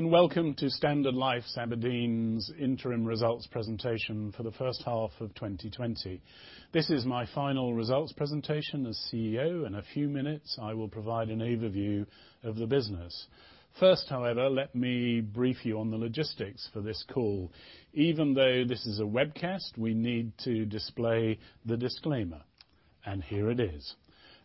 Welcome to Standard Life Aberdeen's interim results presentation for the first half of 2020. This is my final results presentation as CEO. In a few minutes, I will provide an overview of the business. First, however, let me brief you on the logistics for this call. Even though this is a webcast, we need to display the disclaimer, and here it is.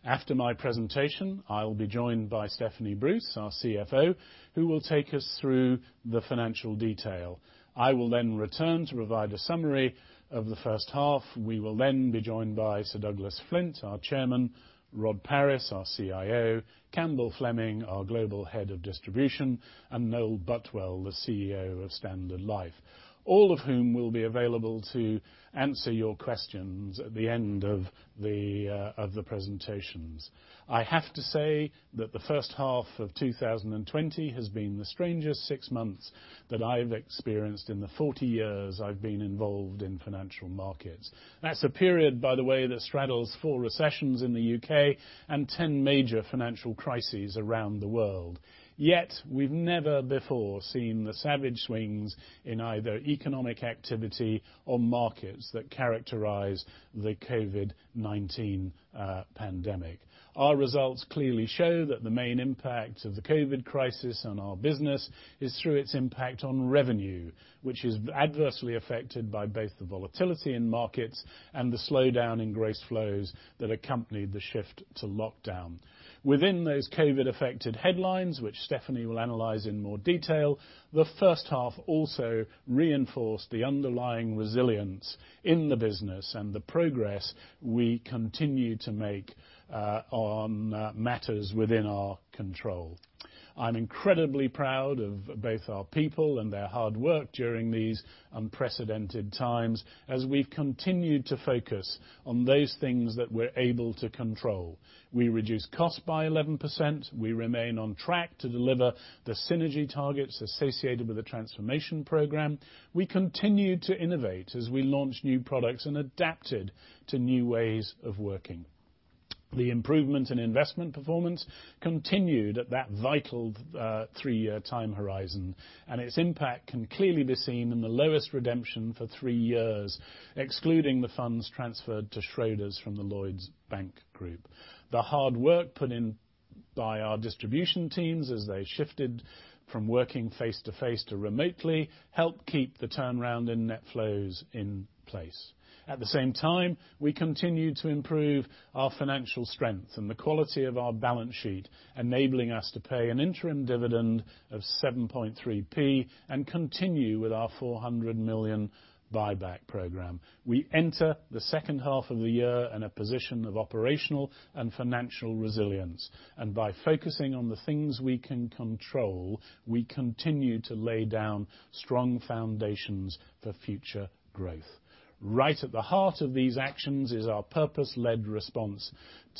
After my presentation, I'll be joined by Stephanie Bruce, our CFO, who will take us through the financial detail. I will then return to provide a summary of the first half. We will then be joined by Sir Douglas Flint, our Chairman, Rod Paris, our CIO, Campbell Fleming, our Global Head of Distribution, and Noel Butwell, the CEO of Standard Life. All of whom will be available to answer your questions at the end of the presentations. I have to say that the first half of 2020 has been the strangest six months that I've experienced in the 40 years I've been involved in financial markets. That's a period, by the way, that straddles four recessions in the U.K. and 10 major financial crises around the world. We've never before seen the savage swings in either economic activity or markets that characterize the COVID-19 pandemic. Our results clearly show that the main impact of the COVID crisis on our business is through its impact on revenue, which is adversely affected by both the volatility in markets and the slowdown in gross flows that accompanied the shift to lockdown. Within those COVID affected headlines, which Stephanie will analyze in more detail, the first half also reinforced the underlying resilience in the business and the progress we continue to make on matters within our control. I'm incredibly proud of both our people and their hard work during these unprecedented times, as we've continued to focus on those things that we're able to control. We reduced costs by 11%. We remain on track to deliver the synergy targets associated with the transformation program. We continued to innovate as we launched new products and adapted to new ways of working. The improvement in investment performance continued at that vital three-year time horizon, and its impact can clearly be seen in the lowest redemption for three years, excluding the funds transferred to Schroders from the Lloyds Banking Group. The hard work put in by our distribution teams as they shifted from working face-to-face to remotely helped keep the turnaround in net flows in place. At the same time, we continued to improve our financial strength and the quality of our balance sheet, enabling us to pay an interim dividend of 0.073 and continue with our 400 million buyback program. We enter the second half of the year in a position of operational and financial resilience. By focusing on the things we can control, we continue to lay down strong foundations for future growth. Right at the heart of these actions is our purpose-led response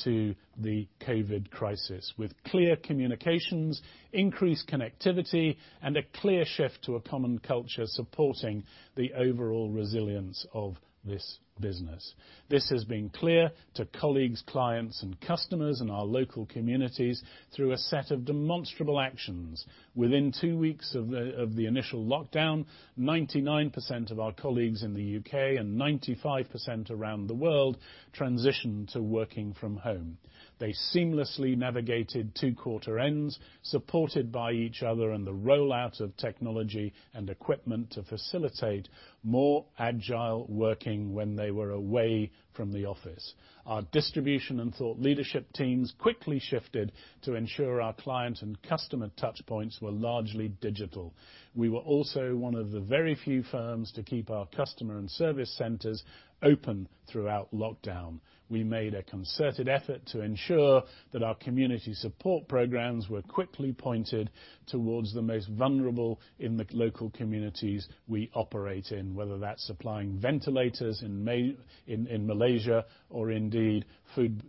to the COVID-19 crisis, with clear communications, increased connectivity, and a clear shift to a common culture supporting the overall resilience of this business. This has been clear to colleagues, clients, and customers in our local communities through a set of demonstrable actions. Within two weeks of the initial lockdown, 99% of our colleagues in the U.K. and 95% around the world transitioned to working from home. They seamlessly navigated two quarter ends, supported by each other and the rollout of technology and equipment to facilitate more agile working when they were away from the office. Our distribution and thought leadership teams quickly shifted to ensure our clients' and customer touchpoints were largely digital. We were also one of the very few firms to keep our customer and service centers open throughout lockdown. We made a concerted effort to ensure that our community support programs were quickly pointed towards the most vulnerable in the local communities we operate in, whether that's supplying ventilators in Malaysia or indeed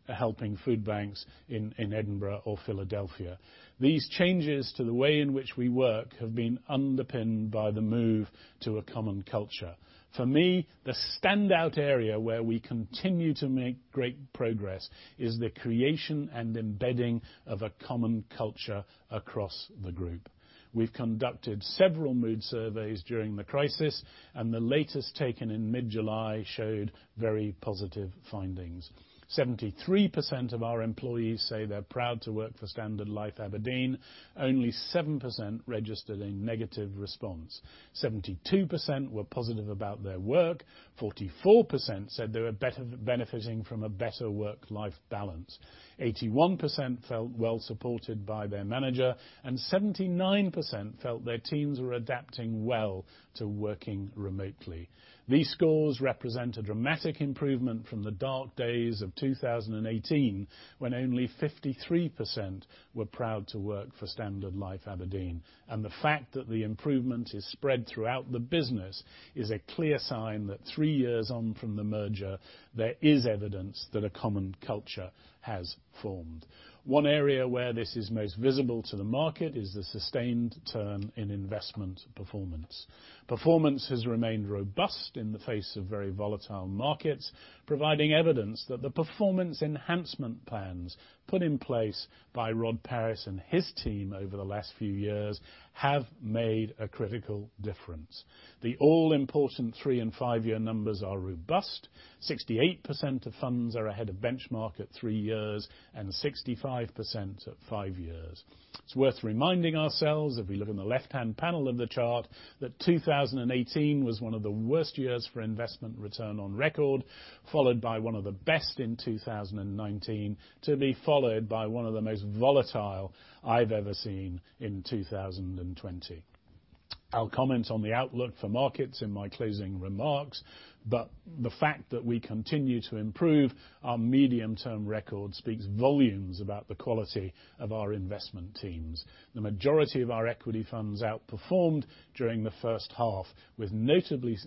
helping food banks in Edinburgh or Philadelphia. These changes to the way in which we work have been underpinned by the move to a common culture. For me, the standout area where we continue to make great progress is the creation and embedding of a common culture across the group. We've conducted several mood surveys during the crisis, and the latest taken in mid-July showed very positive findings. 73% of our employees say they're proud to work for Standard Life Aberdeen. Only 7% registered a negative response. 72% were positive about their work. 44% said they were benefiting from a better work-life balance. 81% felt well supported by their manager, and 79% felt their teams were adapting well to working remotely. These scores represent a dramatic improvement from the dark days of 2018, when only 53% were proud to work for Standard Life Aberdeen. The fact that the improvement is spread throughout the business is a clear sign that three years on from the merger, there is evidence that a common culture has formed. One area where this is most visible to the market is the sustained turn in investment performance. Performance has remained robust in the face of very volatile markets, providing evidence that the performance enhancement plans put in place by Rod Paris and his team over the last few years have made a critical difference. The all-important three and five-year numbers are robust. 68% of funds are ahead of benchmark at three years, and 65% at five years. It's worth reminding ourselves, if we look in the left-hand panel of the chart, that 2018 was one of the worst years for investment return on record, followed by one of the best in 2019, to be followed by one of the most volatile I've ever seen in 2020. I'll comment on the outlook for markets in my closing remarks, but the fact that we continue to improve our medium-term record speaks volumes about the quality of our investment teams. The majority of our equity funds outperformed during the first half, with notably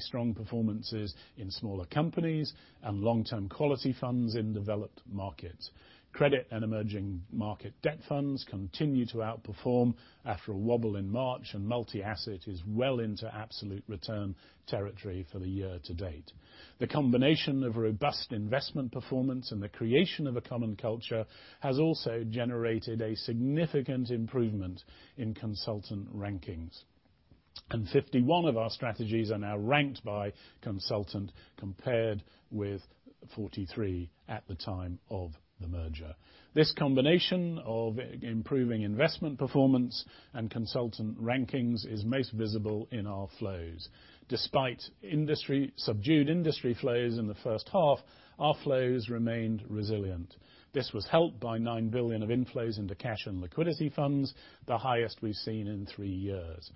strong performances in smaller companies and long-term quality funds in developed markets. Credit and emerging market debt funds continue to outperform after a wobble in March, and multi-asset is well into absolute return territory for the year to date. The combination of robust investment performance and the creation of a common culture has also generated a significant improvement in consultant rankings. 51 of our strategies are now ranked by consultant, compared with 43 at the time of the merger. This combination of improving investment performance and consultant rankings is most visible in our flows. Despite subdued industry flows in the first half, our flows remained resilient. This was helped by 9 billion of inflows into cash and liquidity funds, the highest we've seen in three years.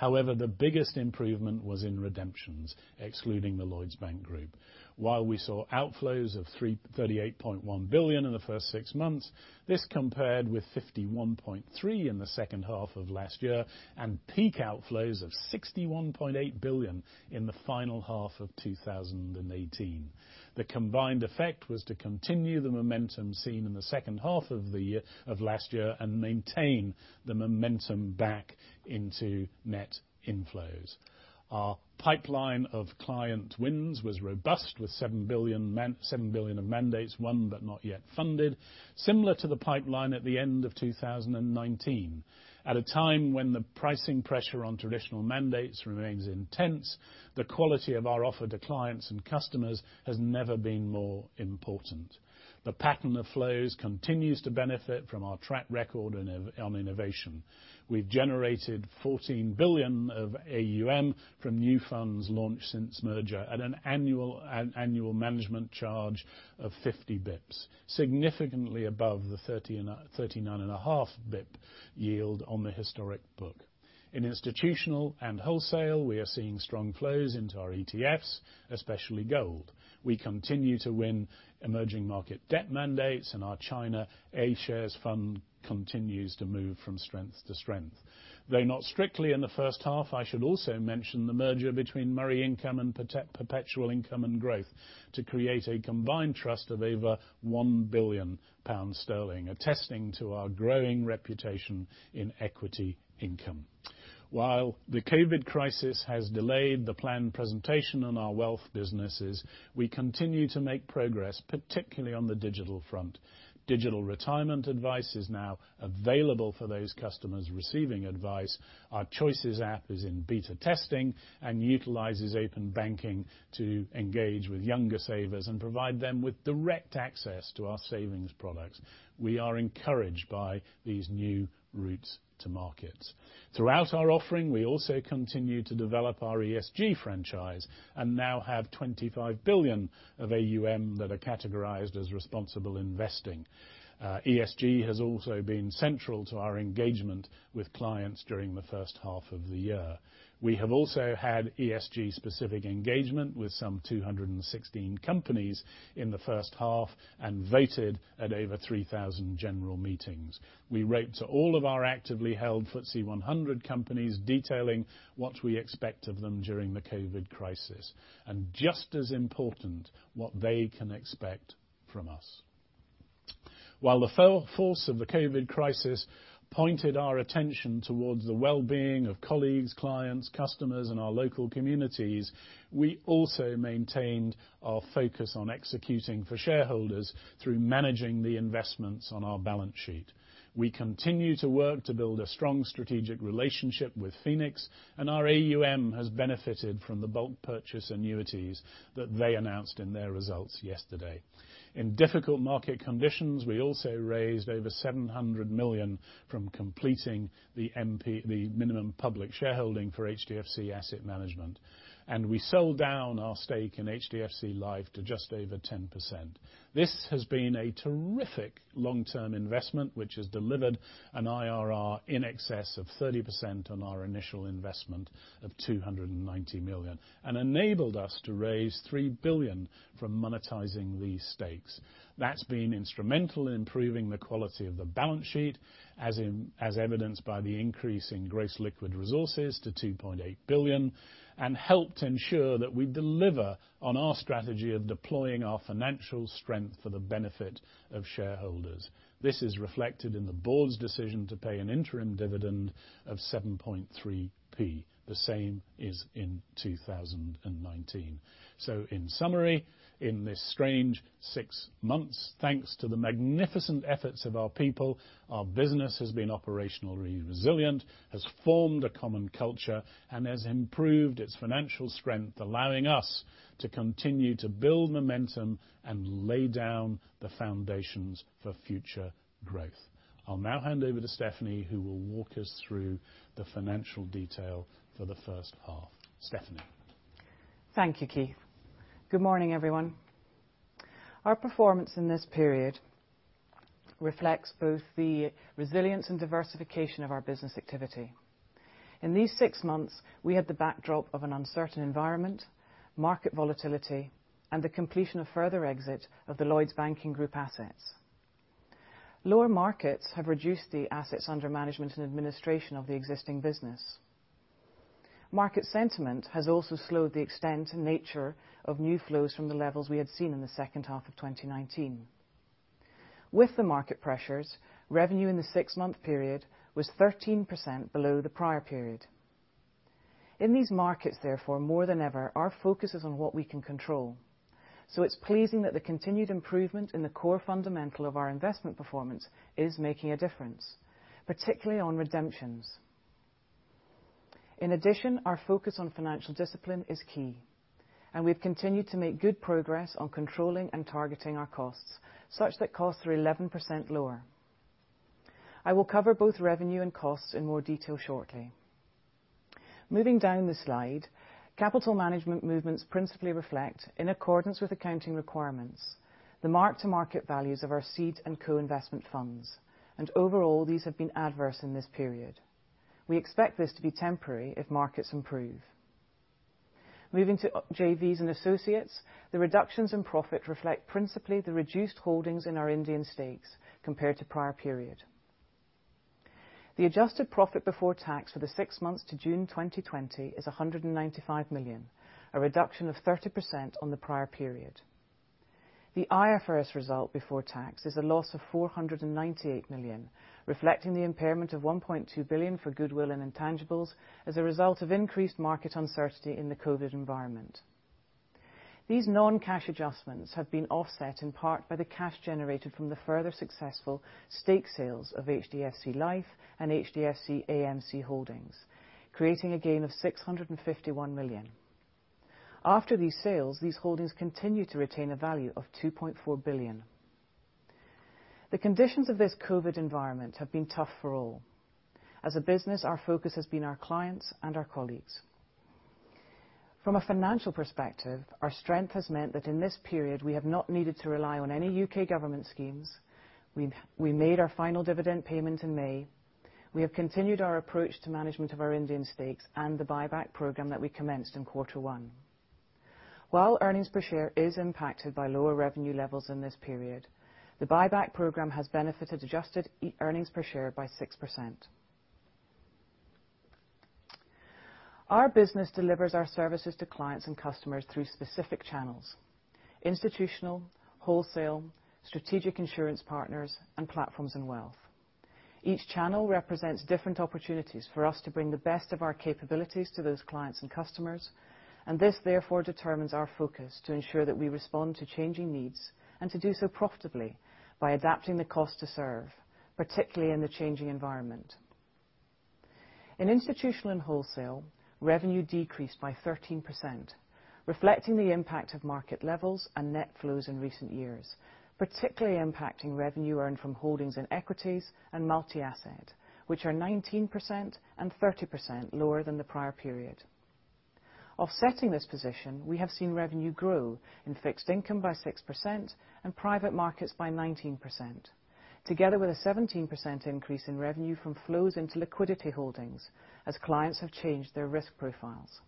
The biggest improvement was in redemptions, excluding the Lloyds Banking Group. We saw outflows of 38.1 billion in the first six months, this compared with 51.3 billion in the second half of last year, and peak outflows of 61.8 billion in the final half of 2018. The combined effect was to continue the momentum seen in the second half of last year, and maintain the momentum back into net inflows. Our pipeline of client wins was robust, with 7 billion of mandates won but not yet funded, similar to the pipeline at the end of 2019. At a time when the pricing pressure on traditional mandates remains intense, the quality of our offer to clients and customers has never been more important. The pattern of flows continues to benefit from our track record on innovation. We've generated 14 billion of AUM from new funds launched since merger at an annual management charge of 50 basis points, significantly above the 39.5 basis points yield on the historic book. In institutional and wholesale, we are seeing strong flows into our ETFs, especially gold. We continue to win emerging market debt mandates, and our China A shares fund continues to move from strength to strength. Though not strictly in the first half, I should also mention the merger between Murray Income and Perpetual Income & Growth to create a combined trust of over 1 billion sterling, attesting to our growing reputation in equity income. While the COVID-19 crisis has delayed the planned presentation on our wealth businesses, we continue to make progress, particularly on the digital front. Digital retirement advice is now available for those customers receiving advice. Our Choices app is in beta testing, and utilizes open banking to engage with younger savers and provide them with direct access to our savings products. We are encouraged by these new routes to markets. Throughout our offering, we also continue to develop our ESG franchise and now have 25 billion of AUM that are categorized as responsible investing. ESG has also been central to our engagement with clients during the first half of the year. We have also had ESG-specific engagement with some 216 companies in the first half, and voted at over 3,000 general meetings. We wrote to all of our actively held FTSE 100 companies, detailing what we expect of them during the COVID crisis, and just as important, what they can expect from us. While the full force of the COVID-19 crisis pointed our attention towards the well-being of colleagues, clients, customers, and our local communities, we also maintained our focus on executing for shareholders through managing the investments on our balance sheet. We continue to work to build a strong strategic relationship with Phoenix, and our AUM has benefited from the bulk purchase annuities that they announced in their results yesterday. In difficult market conditions, we also raised over 700 million from completing the minimum public shareholding for HDFC Asset Management, and we sold down our stake in HDFC Life to just over 10%. This has been a terrific long-term investment, which has delivered an IRR in excess of 30% on our initial investment of 290 million, and enabled us to raise 3 billion from monetizing these stakes. That's been instrumental in improving the quality of the balance sheet, as evidenced by the increase in gross liquid resources to 2.8 billion, and helped ensure that we deliver on our strategy of deploying our financial strength for the benefit of shareholders. This is reflected in the board's decision to pay an interim dividend of 0.073, the same as in 2019. In summary, in this strange six months, thanks to the magnificent efforts of our people, our business has been operationally resilient, has formed a common culture, and has improved its financial strength, allowing us to continue to build momentum and lay down the foundations for future growth. I'll now hand over to Stephanie, who will walk us through the financial detail for the first half. Stephanie? Thank you, Keith. Good morning, everyone. Our performance in this period reflects both the resilience and diversification of our business activity. In these six months, we had the backdrop of an uncertain environment, market volatility, and the completion of further exit of the Lloyds Banking Group assets. Lower markets have reduced the assets under management and administration of the existing business. Market sentiment has also slowed the extent and nature of new flows from the levels we had seen in the second half of 2019. With the market pressures, revenue in the six-month period was 13% below the prior period. In these markets, therefore, more than ever, our focus is on what we can control. It's pleasing that the continued improvement in the core fundamental of our investment performance is making a difference, particularly on redemptions. In addition, our focus on financial discipline is key, and we've continued to make good progress on controlling and targeting our costs such that costs are 11% lower. I will cover both revenue and costs in more detail shortly. Moving down the slide, capital management movements principally reflect, in accordance with accounting requirements, the mark-to-market values of our seed and co-investment funds. Overall, these have been adverse in this period. We expect this to be temporary if markets improve. Moving to JVs and associates, the reductions in profit reflect principally the reduced holdings in our Indian stakes compared to prior period. The adjusted profit before tax for the six months to June 2020 is 195 million, a reduction of 30% on the prior period. The IFRS result before tax is a loss of 498 million, reflecting the impairment of 1.2 billion for goodwill and intangibles as a result of increased market uncertainty in the COVID environment. These non-cash adjustments have been offset in part by the cash generated from the further successful stake sales of HDFC Life and HDFC AMC Holdings, creating a gain of 651 million. After these sales, these holdings continue to retain a value of 2.4 billion. The conditions of this COVID environment have been tough for all. As a business, our focus has been our clients and our colleagues. From a financial perspective, our strength has meant that in this period we have not needed to rely on any U.K. government schemes. We made our final dividend payment in May. We have continued our approach to management of our Indian stakes and the buyback program that we commenced in Q1. While earnings per share is impacted by lower revenue levels in this period, the buyback program has benefited adjusted earnings per share by 6%. Our business delivers our services to clients and customers through specific channels. Institutional, wholesale, strategic insurance partners, and platforms and wealth. Each channel represents different opportunities for us to bring the best of our capabilities to those clients and customers, and this therefore determines our focus to ensure that we respond to changing needs and to do so profitably by adapting the cost to serve, particularly in the changing environment. In institutional and wholesale, revenue decreased by 13%, reflecting the impact of market levels and net flows in recent years, particularly impacting revenue earned from holdings in equities and multi-asset, which are 19% and 30% lower than the prior period. Offsetting this position, we have seen revenue grow in fixed income by 6% and private markets by 19%. Together with a 17% increase in revenue from flows into liquidity holdings as clients have changed their risk profiles.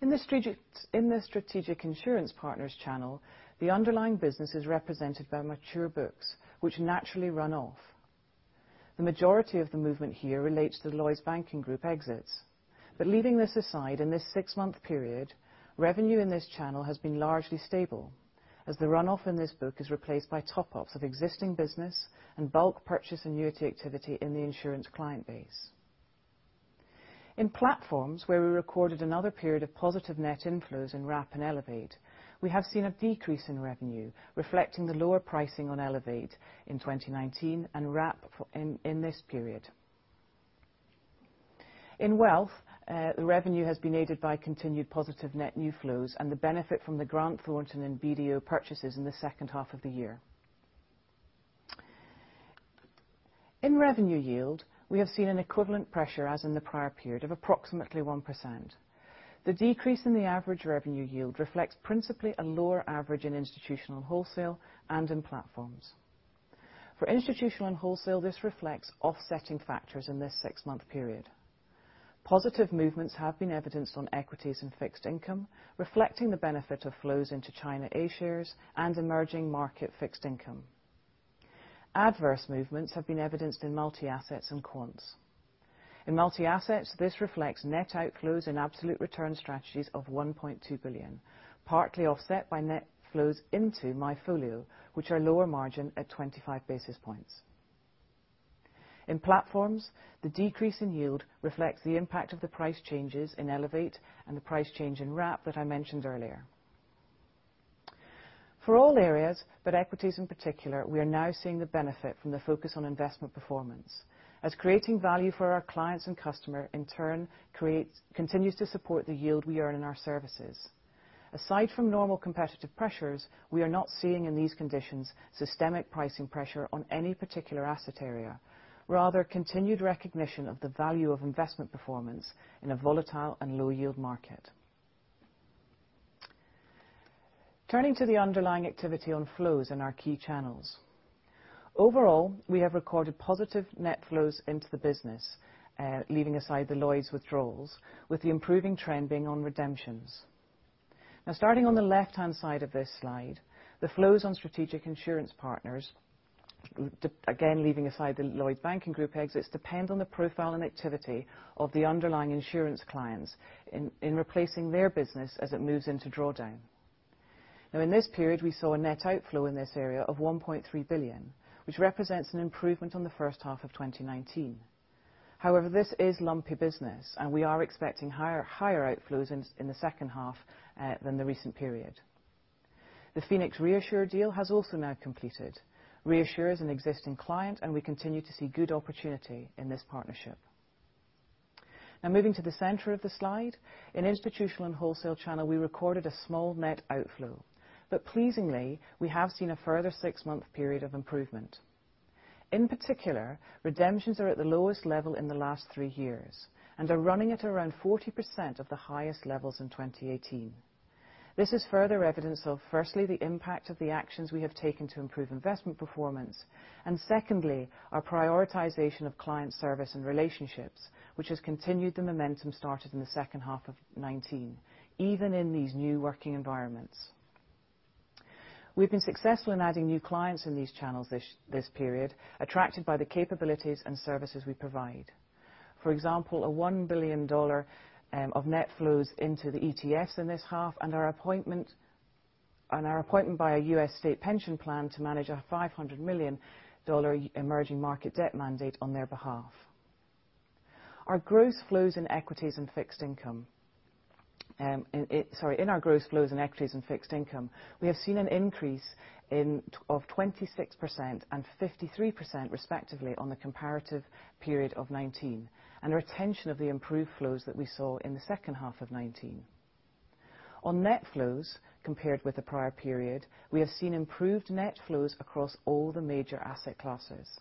In the strategic insurance partners channel, the underlying business is represented by mature books which naturally run off. The majority of the movement here relates to the Lloyds Banking Group exits. Leaving this aside, in this six-month period, revenue in this channel has been largely stable as the runoff in this book is replaced by top-ups of existing business and bulk purchase annuity activity in the insurance client base. In platforms where we recorded another period of positive net inflows in Wrap and Elevate, we have seen a decrease in revenue, reflecting the lower pricing on Elevate in 2019 and Wrap in this period. In wealth, the revenue has been aided by continued positive net new flows and the benefit from the Grant Thornton and BDO purchases in the second half of the year. In revenue yield, we have seen an equivalent pressure as in the prior period of approximately 1%. The decrease in the average revenue yield reflects principally a lower average in institutional wholesale and in platforms. For institutional and wholesale, this reflects offsetting factors in this six-month period. Positive movements have been evidenced on equities and fixed income, reflecting the benefit of flows into China A shares and emerging market fixed income. Adverse movements have been evidenced in multi-assets and quants. In multi-assets, this reflects net outflows in absolute return strategies of 1.2 billion, partly offset by net flows into MyFolio, which are lower margin at 25 basis points. In platforms, the decrease in yield reflects the impact of the price changes in Elevate and the price change in Wrap that I mentioned earlier. For all areas, but equities in particular, we are now seeing the benefit from the focus on investment performance as creating value for our clients and customer, in turn, continues to support the yield we earn in our services. Aside from normal competitive pressures, we are not seeing in these conditions systemic pricing pressure on any particular asset area. Rather, continued recognition of the value of investment performance in a volatile and low yield market. Turning to the underlying activity on flows in our key channels. Overall, we have recorded positive net flows into the business, leaving aside the Lloyds withdrawals, with the improving trend being on redemptions. Starting on the left-hand side of this slide, the flows on strategic insurance partners, again leaving aside the Lloyds Banking Group exits, depend on the profile and activity of the underlying insurance clients in replacing their business as it moves into drawdown. In this period, we saw a net outflow in this area of 1.3 billion, which represents an improvement on the first half of 2019. This is lumpy business, and we are expecting higher outflows in the second half than the recent period. The Phoenix ReAssure deal has also now completed. ReAssure is an existing client, and we continue to see good opportunity in this partnership. Moving to the center of the slide. In institutional and wholesale channel, we recorded a small net outflow. Pleasingly, we have seen a further six-month period of improvement. In particular, redemptions are at the lowest level in the last three years and are running at around 40% of the highest levels in 2018. This is further evidence of, firstly, the impact of the actions we have taken to improve investment performance. Secondly, our prioritization of client service and relationships, which has continued the momentum started in the second half of 2019, even in these new working environments. We've been successful in adding new clients in these channels this period, attracted by the capabilities and services we provide. For example, a $1 billion of net flows into the ETFs in this half and our appointment by a U.S. state pension plan to manage our $500 million emerging market debt mandate on their behalf. In our gross flows in equities and fixed income, we have seen an increase of 26% and 53% respectively on the comparative period of 2019, and a retention of the improved flows that we saw in the second half of 2019. On net flows compared with the prior period, we have seen improved net flows across all the major asset classes.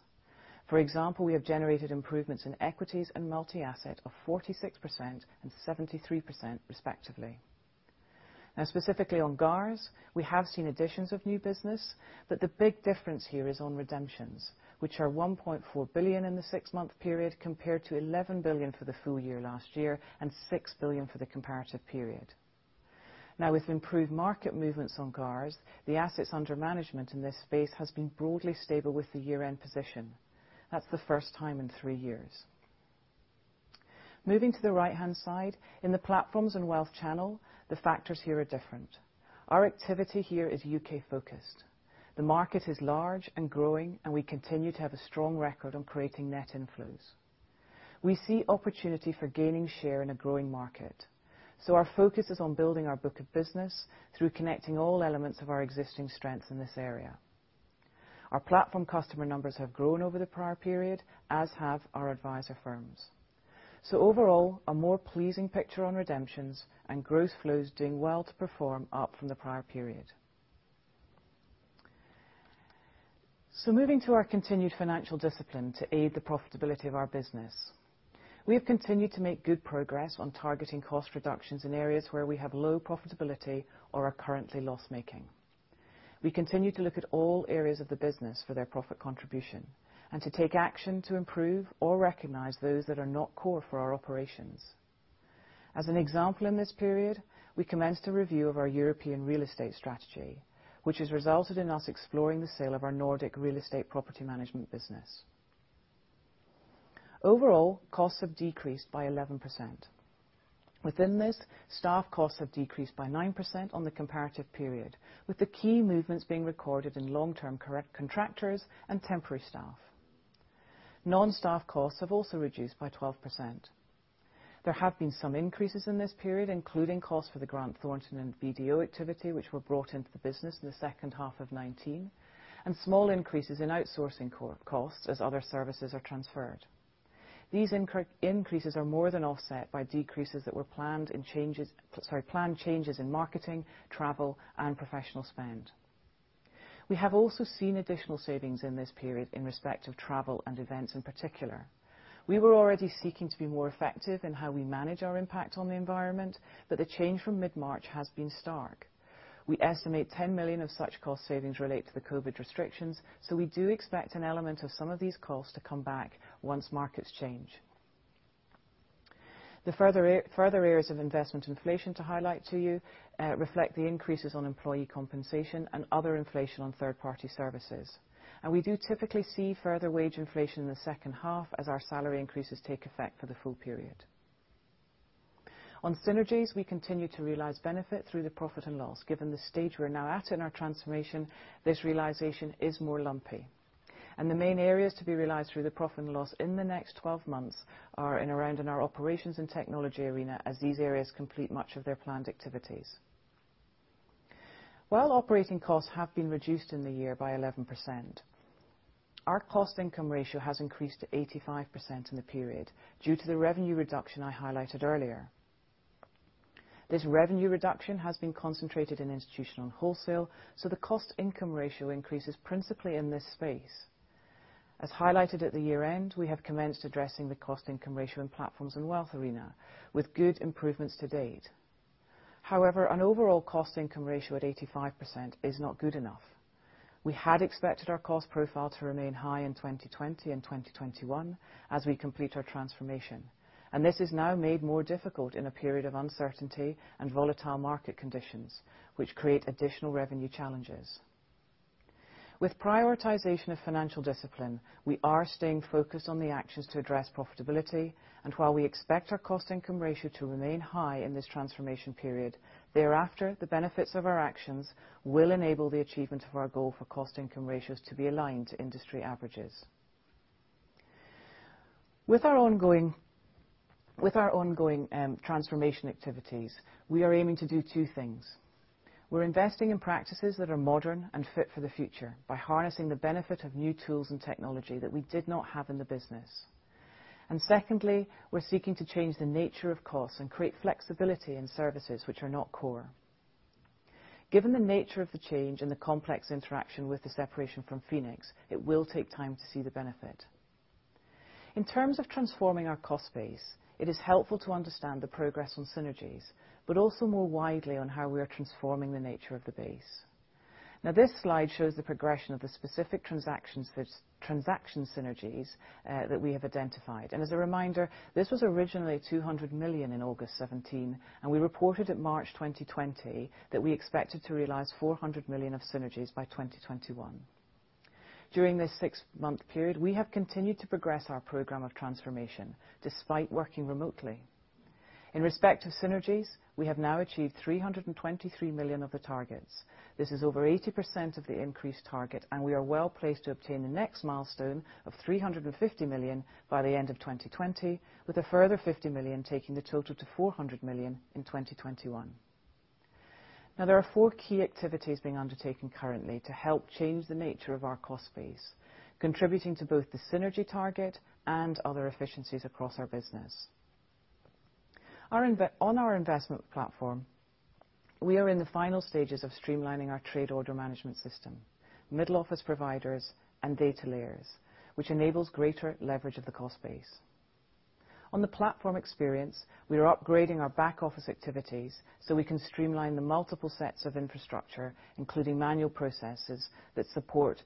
For example, we have generated improvements in equities and multi-asset of 46% and 73% respectively. Specifically on GARS, we have seen additions of new business, but the big difference here is on redemptions, which are 1.4 billion in the six-month period compared to 11 billion for the full year last year and 6 billion for the comparative period. With improved market movements on GARS, the assets under management in this space has been broadly stable with the year-end position. That's the first time in three years. Moving to the right-hand side. In the platforms and wealth channel, the factors here are different. Our activity here is U.K. focused. The market is large and growing, and we continue to have a strong record on creating net inflows. We see opportunity for gaining share in a growing market. Our focus is on building our book of business through connecting all elements of our existing strengths in this area. Our platform customer numbers have grown over the prior period, as have our advisor firms. Overall, a more pleasing picture on redemptions and gross flows doing well to perform up from the prior period. Moving to our continued financial discipline to aid the profitability of our business. We have continued to make good progress on targeting cost reductions in areas where we have low profitability or are currently loss-making. We continue to look at all areas of the business for their profit contribution and to take action to improve or recognize those that are not core for our operations. As an example in this period, we commenced a review of our European real estate strategy, which has resulted in us exploring the sale of our Nordic real estate property management business. Overall, costs have decreased by 11%. Within this, staff costs have decreased by 9% on the comparative period, with the key movements being recorded in long-term contractors and temporary staff. Non-staff costs have also reduced by 12%. There have been some increases in this period, including costs for the Grant Thornton and BDO activity, which were brought into the business in the second half of 2019, small increases in outsourcing costs as other services are transferred. These increases are more than offset by decreases that were planned changes in marketing, travel, and professional spend. We have also seen additional savings in this period in respect of travel and events in particular. We were already seeking to be more effective in how we manage our impact on the environment, but the change from mid-March has been stark. We estimate 10 million of such cost savings relate to the COVID-19 restrictions, we do expect an element of some of these costs to come back once markets change. The further areas of investment inflation to highlight to you reflect the increases on employee compensation and other inflation on third-party services. We do typically see further wage inflation in the second half as our salary increases take effect for the full period. On synergies, we continue to realize benefit through the profit and loss. Given the stage we're now at in our transformation, this realization is more lumpy. The main areas to be realized through the profit and loss in the next 12 months are in around in our operations and technology arena as these areas complete much of their planned activities. Operating costs have been reduced in the year by 11%, our cost income ratio has increased to 85% in the period due to the revenue reduction I highlighted earlier. This revenue reduction has been concentrated in institutional wholesale, the cost income ratio increases principally in this space. As highlighted at the year-end, we have commenced addressing the cost income ratio in Platforms and Wealth arena, with good improvements to date. An overall cost income ratio at 85% is not good enough. We had expected our cost profile to remain high in 2020 and 2021 as we complete our transformation. This is now made more difficult in a period of uncertainty and volatile market conditions, which create additional revenue challenges. With prioritization of financial discipline, we are staying focused on the actions to address profitability. While we expect our cost income ratio to remain high in this transformation period, thereafter, the benefits of our actions will enable the achievement of our goal for cost income ratios to be aligned to industry averages. With our ongoing transformation activities, we are aiming to do two things. We're investing in practices that are modern and fit for the future by harnessing the benefit of new tools and technology that we did not have in the business. Secondly, we're seeking to change the nature of costs and create flexibility in services which are not core. Given the nature of the change and the complex interaction with the separation from Phoenix, it will take time to see the benefit. In terms of transforming our cost base, it is helpful to understand the progress on synergies, but also more widely on how we are transforming the nature of the base. Now this slide shows the progression of the specific transaction synergies that we have identified. As a reminder, this was originally 200 million in August 2017, and we reported at March 2020 that we expected to realize 400 million of synergies by 2021. During this six-month period, we have continued to progress our program of transformation, despite working remotely. In respect of synergies, we have now achieved 323 million of the targets. This is over 80% of the increased target, and we are well-placed to obtain the next milestone of 350 million by the end of 2020, with a further 50 million taking the total to 400 million in 2021. There are four key activities being undertaken currently to help change the nature of our cost base, contributing to both the synergy target and other efficiencies across our business. On our investment platform, we are in the final stages of streamlining our trade order management system, middle office providers, and data layers, which enables greater leverage of the cost base. On the platform experience, we are upgrading our back office activities so we can streamline the multiple sets of infrastructure, including manual processes that support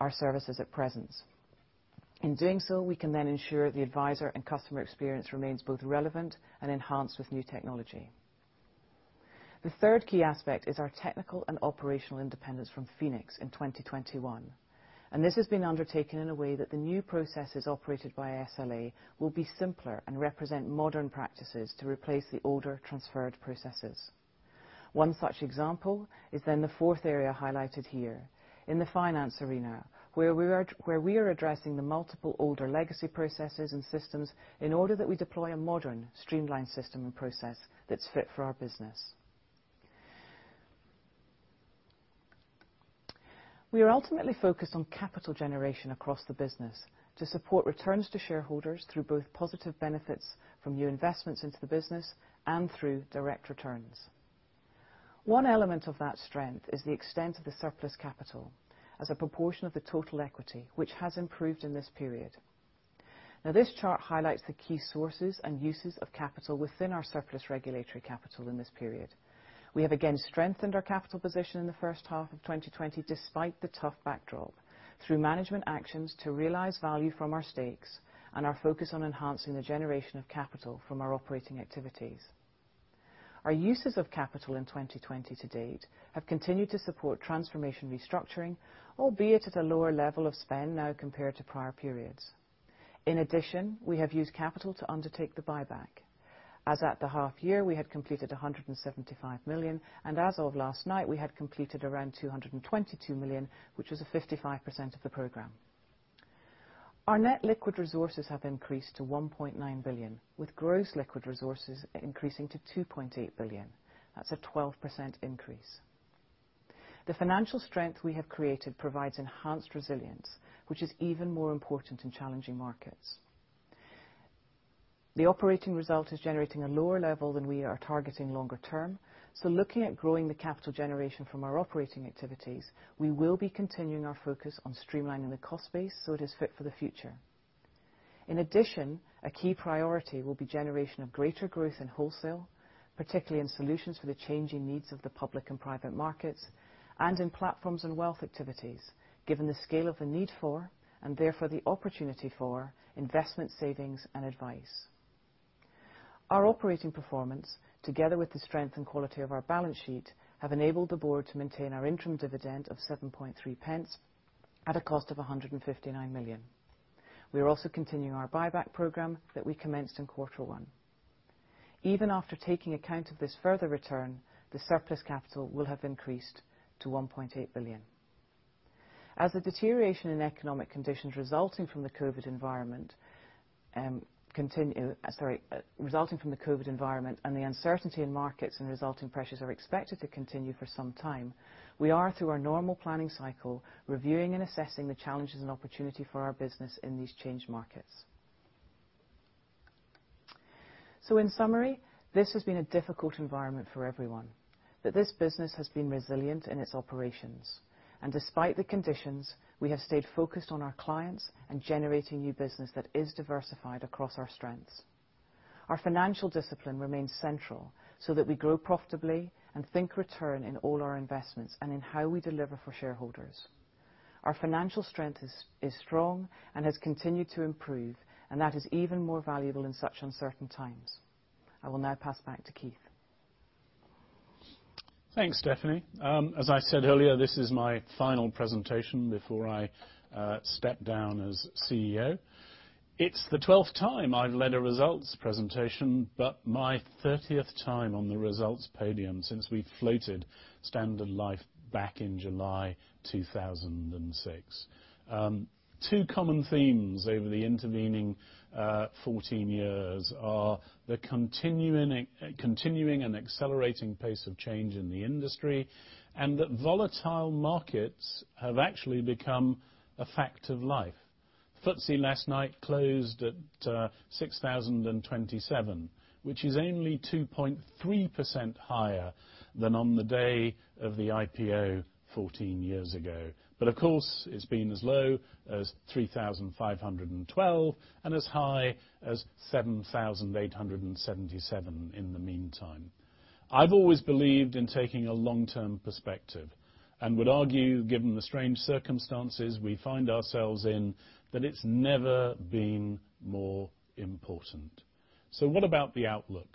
our services at presence. In doing so, we can then ensure the advisor and customer experience remains both relevant and enhanced with new technology. The third key aspect is our technical and operational independence from Phoenix in 2021. This has been undertaken in a way that the new processes operated by SLA will be simpler and represent modern practices to replace the older transferred processes. One such example is the fourth area highlighted here. In the finance arena, where we are addressing the multiple older legacy processes and systems in order that we deploy a modern, streamlined system and process that's fit for our business. We are ultimately focused on capital generation across the business to support returns to shareholders through both positive benefits from new investments into the business and through direct returns. One element of that strength is the extent of the surplus capital as a proportion of the total equity, which has improved in this period. This chart highlights the key sources and uses of capital within our surplus regulatory capital in this period. We have again strengthened our capital position in the first half of 2020 despite the tough backdrop, through management actions to realize value from our stakes and our focus on enhancing the generation of capital from our operating activities. Our uses of capital in 2020 to date have continued to support transformation restructuring, albeit at a lower level of spend now compared to prior periods. We have used capital to undertake the buyback. As at the half year, we had completed 175 million, and as of last night, we had completed around 222 million, which was a 55% of the program. Our net liquid resources have increased to 1.9 billion, with gross liquid resources increasing to 2.8 billion. That's a 12% increase. The financial strength we have created provides enhanced resilience, which is even more important in challenging markets. Looking at growing the capital generation from our operating activities, we will be continuing our focus on streamlining the cost base so it is fit for the future. In addition, a key priority will be generation of greater growth in wholesale, particularly in solutions for the changing needs of the public and private markets, and in platforms and wealth activities, given the scale of the need for, and therefore the opportunity for, investment savings and advice. Our operating performance, together with the strength and quality of our balance sheet, have enabled the board to maintain our interim dividend of 0.073 at a cost of 159 million. We are also continuing our buyback program that we commenced in quarter one. Even after taking account of this further return, the surplus capital will have increased to 1.8 billion. As the deterioration in economic conditions resulting from the COVID-19 environment and the uncertainty in markets and resulting pressures are expected to continue for some time, we are, through our normal planning cycle, reviewing and assessing the challenges and opportunity for our business in these changed markets. In summary, this has been a difficult environment for everyone. This business has been resilient in its operations. Despite the conditions, we have stayed focused on our clients and generating new business that is diversified across our strengths. Our financial discipline remains central so that we grow profitably and think return in all our investments, and in how we deliver for shareholders. Our financial strength is strong and has continued to improve, and that is even more valuable in such uncertain times. I will now pass back to Keith. Thanks, Stephanie. As I said earlier, this is my final presentation before I step down as CEO. It's the 12th time I've led a results presentation, but my 30th time on the results podium since we floated Standard Life back in July 2006. Two common themes over the intervening 14 years are the continuing and accelerating pace of change in the industry, and that volatile markets have actually become a fact of life. FTSE last night closed at 6,027, which is only 2.3% higher than on the day of the IPO 14 years ago. Of course, it's been as low as 3,512 and as high as 7,877 in the meantime. I've always believed in taking a long-term perspective, and would argue, given the strange circumstances we find ourselves in, that it's never been more important. What about the outlook?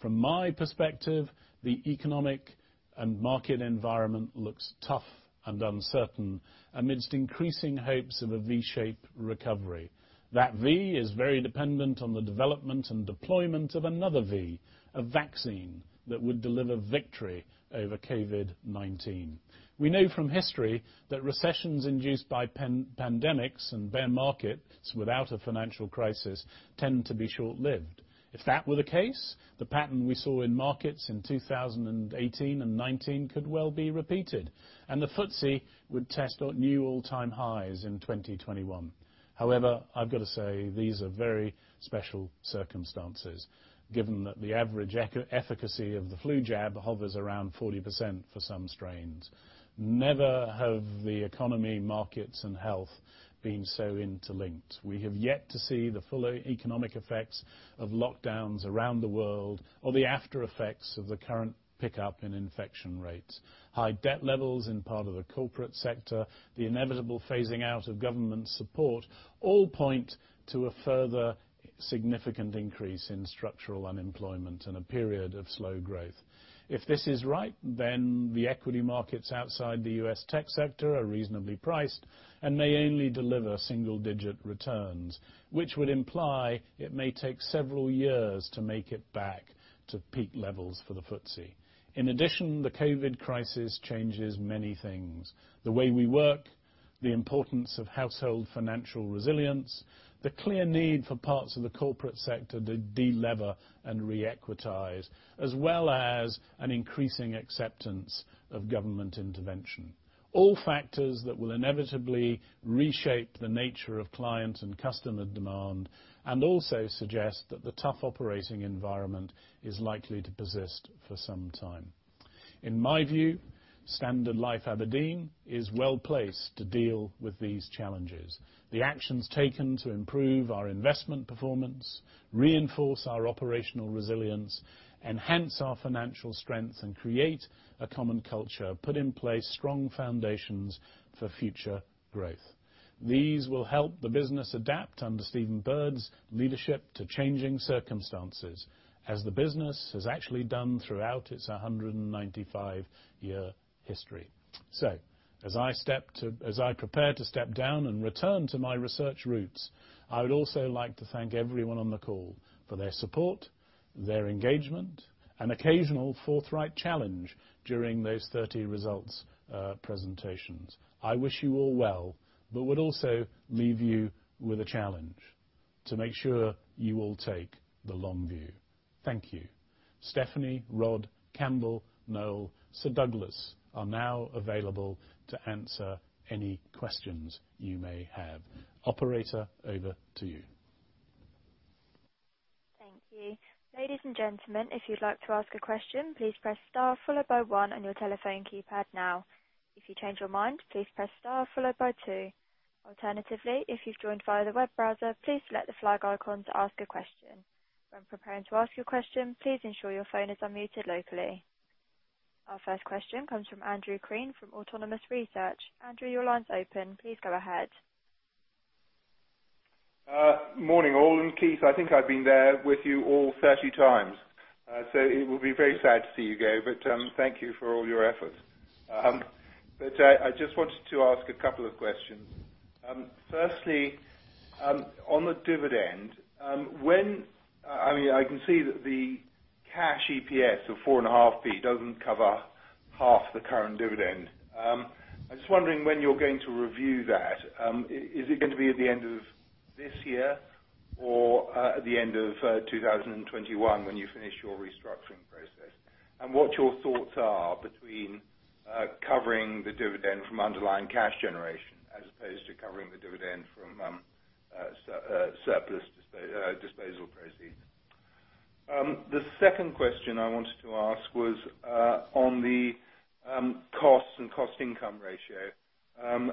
From my perspective, the economic and market environment looks tough and uncertain amidst increasing hopes of a V-shaped recovery. That V is very dependent on the development and deployment of another V, a vaccine that would deliver victory over COVID-19. We know from history that recessions induced by pandemics and bear markets without a financial crisis tend to be short-lived. If that were the case, the pattern we saw in markets in 2018 and 2019 could well be repeated, and the FTSE would test new all-time highs in 2021. However, I've got to say, these are very special circumstances given that the average efficacy of the flu jab hovers around 40% for some strains. Never have the economy, markets, and health been so interlinked. We have yet to see the full economic effects of lockdowns around the world, or the aftereffects of the current pickup in infection rates. High debt levels in part of the corporate sector, the inevitable phasing out of government support all point to a further significant increase in structural unemployment and a period of slow growth. If this is right, then the equity markets outside the U.S. tech sector are reasonably priced and may only deliver single-digit returns, which would imply it may take several years to make it back to peak levels for the FTSE. The COVID crisis changes many things. The way we work, the importance of household financial resilience, the clear need for parts of the corporate sector to de-lever and re-equitize, as well as an increasing acceptance of government intervention. All factors that will inevitably reshape the nature of client and customer demand, and also suggest that the tough operating environment is likely to persist for some time. In my view, Standard Life Aberdeen is well-placed to deal with these challenges. The actions taken to improve our investment performance, reinforce our operational resilience, enhance our financial strengths, and create a common culture, put in place strong foundations for future growth. These will help the business adapt under Stephen Bird's leadership to changing circumstances, as the business has actually done throughout its 195-year history. As I prepare to step down and return to my research roots, I would also like to thank everyone on the call for their support, their engagement, and occasional forthright challenge during those 30 results presentations. I wish you all well, but would also leave you with a challenge to make sure you all take the long view. Thank you. Stephanie, Rod, Campbell, Noel, Sir Douglas are now available to answer any questions you may have. Operator, over to you. Thank you. Our first question comes from Andrew Crean from Autonomous Research. Andrew, your line's open. Please go ahead. Morning all, Keith, I think I've been there with you all 30 times. It will be very sad to see you go, thank you for all your efforts. I just wanted to ask a couple of questions. Firstly, on the dividend, I can see that the cash EPS of 0.045 doesn't cover half the current dividend. I'm just wondering when you're going to review that. Is it going to be at the end of this year or at the end of 2021 when you finish your restructuring? What your thoughts are between covering the dividend from underlying cash generation as opposed to covering the dividend from surplus disposals. The second question I wanted to ask was on the costs and cost income ratio.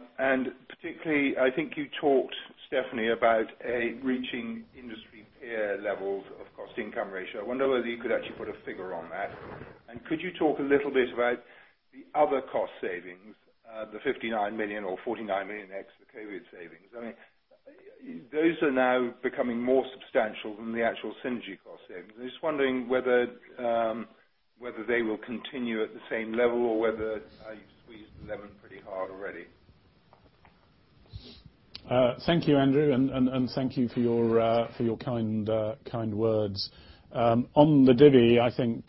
Particularly, I think you talked, Stephanie, about reaching industry peer levels of cost income ratio. I wonder whether you could actually put a figure on that. Could you talk a little bit about the other cost savings, the 59 million or 49 million ex-COVID-19 savings? Those are now becoming more substantial than the actual synergy cost savings. I'm just wondering whether they will continue at the same level or whether you've squeezed the lemon pretty hard already. Thank you, Andrew, and thank you for your kind words. On the divvy, I think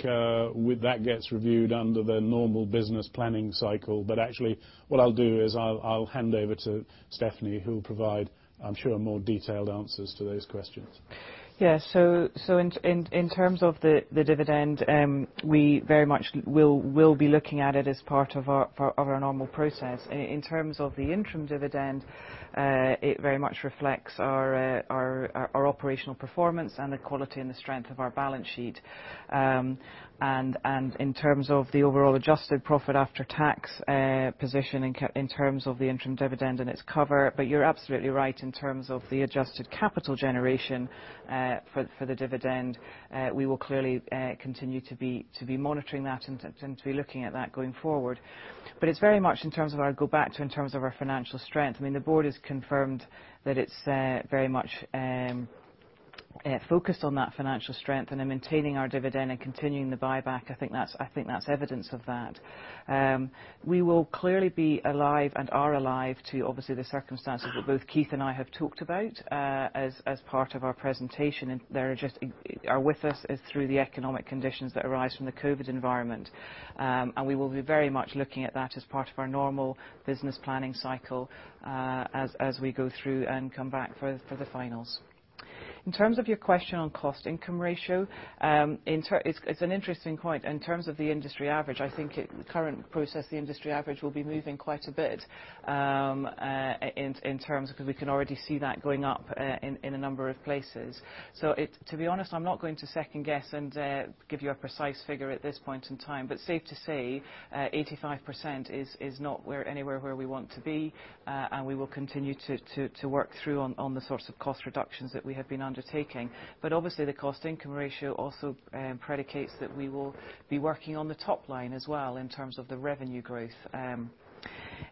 with that gets reviewed under the normal business planning cycle. Actually, what I'll do is I'll hand over to Stephanie, who will provide, I'm sure, more detailed answers to those questions. In terms of the dividend, we very much will be looking at it as part of our normal process. In terms of the interim dividend, it very much reflects our operational performance and the quality and the strength of our balance sheet. In terms of the overall adjusted profit after tax position, in terms of the interim dividend and its cover. You're absolutely right in terms of the adjusted capital generation for the dividend. We will clearly continue to be monitoring that and to be looking at that going forward. It's very much, if I go back to in terms of our financial strength, the board has confirmed that it's very much focused on that financial strength and in maintaining our dividend and continuing the buyback. I think that's evidence of that. We will clearly be alive, and are alive, to obviously the circumstances that both Keith and I have talked about as part of our presentation, and they are with us through the economic conditions that arise from the COVID environment. We will be very much looking at that as part of our normal business planning cycle, as we go through and come back for the finals. In terms of your question on cost income ratio, it's an interesting point. In terms of the industry average, I think the current process, the industry average, will be moving quite a bit. We can already see that going up in a number of places. To be honest, I'm not going to second guess and give you a precise figure at this point in time. Safe to say, 85% is not anywhere where we want to be. We will continue to work through on the sorts of cost reductions that we have been undertaking. Obviously, the cost income ratio also predicates that we will be working on the top line as well in terms of the revenue growth.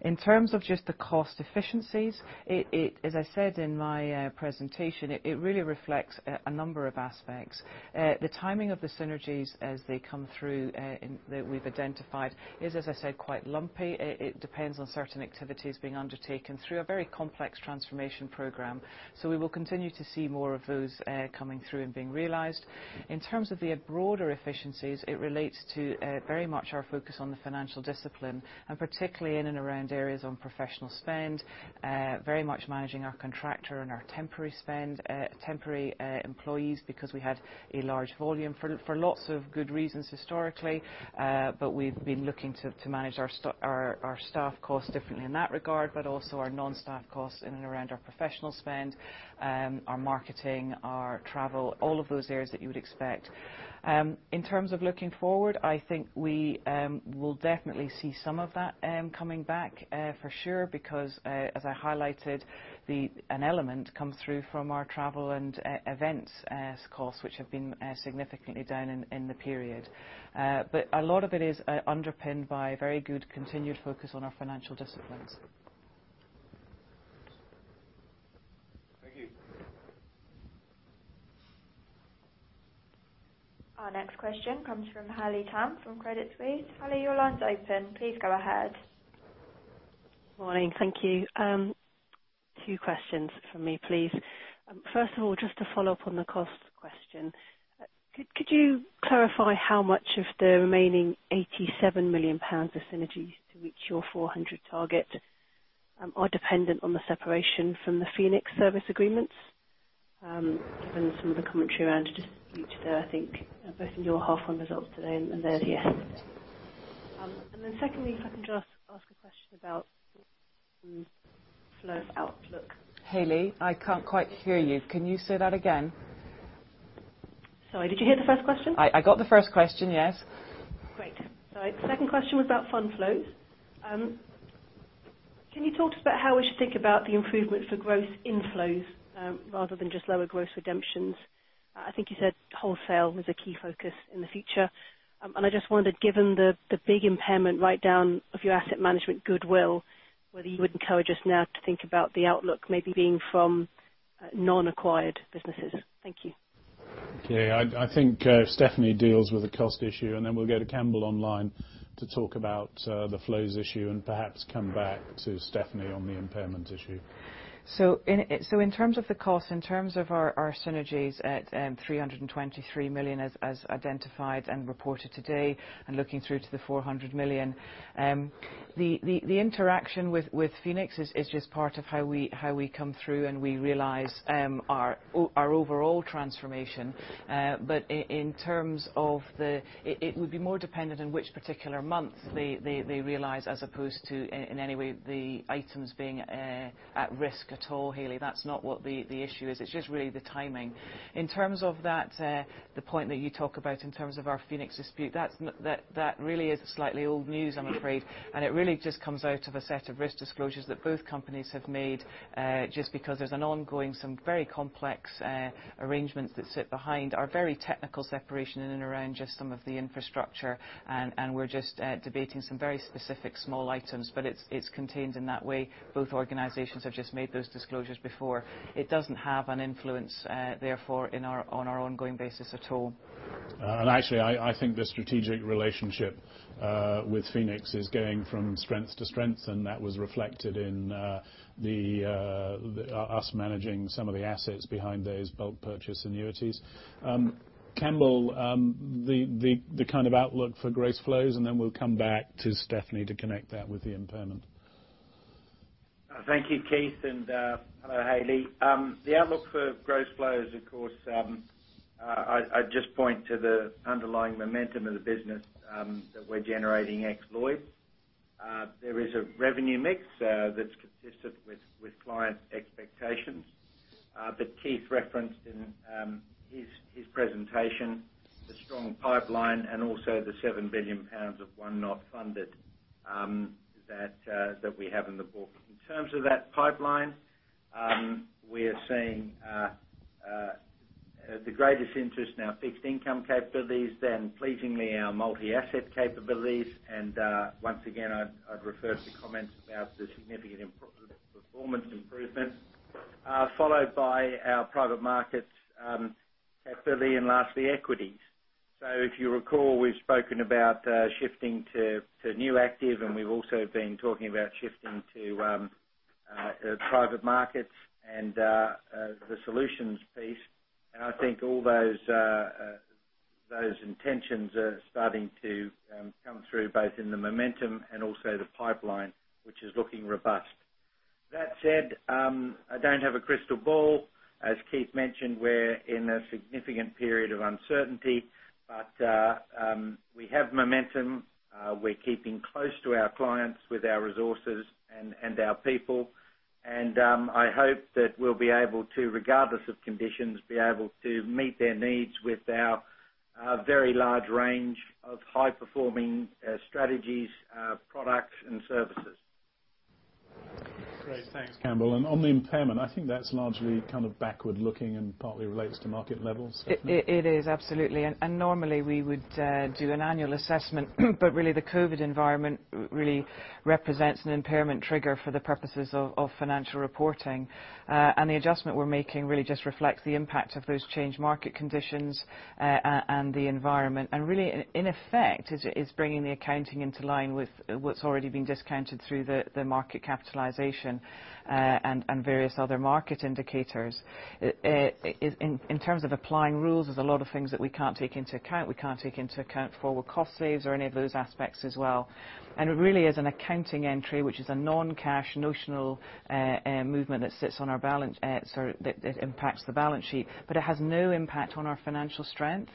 In terms of just the cost efficiencies, as I said in my presentation, it really reflects a number of aspects. The timing of the synergies as they come through that we have identified is, as I said, quite lumpy. It depends on certain activities being undertaken through a very complex transformation program. We will continue to see more of those coming through and being realized. In terms of the broader efficiencies, it relates to very much our focus on the financial discipline, and particularly in and around areas on professional spend, very much managing our contractor and our temporary spend, temporary employees, because we had a large volume for lots of good reasons historically. But we've been looking to manage our staff costs differently in that regard, but also our non-staff costs in and around our professional spend, our marketing, our travel, all of those areas that you would expect. In terms of looking forward, I think we will definitely see some of that coming back for sure, because as I highlighted, an element comes through from our travel and events costs, which have been significantly down in the period. But a lot of it is underpinned by very good continued focus on our financial disciplines. Thank you. Our next question comes from Haley Tam from Credit Suisse. Haley, your line's open. Please go ahead. Morning. Thank you. Two questions from me, please. First of all, just to follow up on the cost question. Could you clarify how much of the remaining 87 million pounds of synergies to reach your 400 target are dependent on the separation from the Phoenix service agreements? Given some of the commentary around just each there, I think both in your H1 results today and theirs yesterday. Secondly, if I can just ask a question about flow outlook. Haley, I can't quite hear you. Can you say that again? Sorry, did you hear the first question? I got the first question, yes. Great. Sorry. Second question was about fund flows. Can you talk to us about how we should think about the improvements for gross inflows rather than just lower gross redemptions? I think you said wholesale was a key focus in the future. I just wondered, given the big impairment write-down of your asset management goodwill, whether you would encourage us now to think about the outlook maybe being from non-acquired businesses. Thank you. Okay. I think Stephanie deals with the cost issue, and then we'll go to Campbell online to talk about the flows issue and perhaps come back to Stephanie on the impairment issue. In terms of the cost, in terms of our synergies at 323 million as identified and reported today, and looking through to the 400 million, the interaction with Phoenix is just part of how we come through and we realize our overall transformation. It would be more dependent on which particular month they realize as opposed to in any way the items being at risk at all, Haley. That's not what the issue is. It's just really the timing. In terms of the point that you talk about in terms of our Phoenix dispute, that really is slightly old news, I'm afraid. It really just comes out of a set of risk disclosures that both companies have made, just because there's an ongoing, some very complex arrangements that sit behind our very technical separation in and around just some of the infrastructure, and we're just debating some very specific small items. It's contained in that way. Both organizations have just made those disclosures before. It doesn't have an influence, therefore, on our ongoing basis at all. Actually, I think the strategic relationship with Phoenix is going from strength to strength, and that was reflected in us managing some of the assets behind those bulk purchase annuities. Campbell, the kind of outlook for gross flows, and then we'll come back to Stephanie to connect that with the impairment. Thank you, Keith, and hello, Haley. The outlook for gross flows, of course, I'd just point to the underlying momentum of the business that we're generating ex Lloyds. There is a revenue mix that's consistent with client expectations. Keith referenced in his presentation the strong pipeline and also the 7 billion pounds of won not funded that we have in the book. In terms of that pipeline, we are seeing the greatest interest in our fixed income capabilities, then pleasingly our multi-asset capabilities. Once again, I'd refer to comments about the significant performance improvements, followed by our private markets capability and lastly, equities. If you recall, we've spoken about shifting to new active, and we've also been talking about shifting to private markets and the solutions piece. I think all those intentions are starting to come through both in the momentum and also the pipeline, which is looking robust. That said, I don't have a crystal ball. As Keith mentioned, we're in a significant period of uncertainty. We have momentum. We're keeping close to our clients with our resources and our people. I hope that we'll be able to, regardless of conditions, be able to meet their needs with our very large range of high performing strategies, products, and services. Great. Thanks, Campbell. On the impairment, I think that's largely kind of backward looking and partly relates to market levels. Stephanie? It is, absolutely. Normally we would do an annual assessment, but really the COVID-19 environment really represents an impairment trigger for the purposes of financial reporting. The adjustment we're making really just reflects the impact of those changed market conditions, and the environment. Really, in effect, it is bringing the accounting into line with what's already been discounted through the market capitalization, and various other market indicators. In terms of applying rules, there's a lot of things that we can't take into account. We can't take into account forward cost saves or any of those aspects as well. It really is an accounting entry, which is a non-cash notional movement that impacts the balance sheet. It has no impact on our financial strength,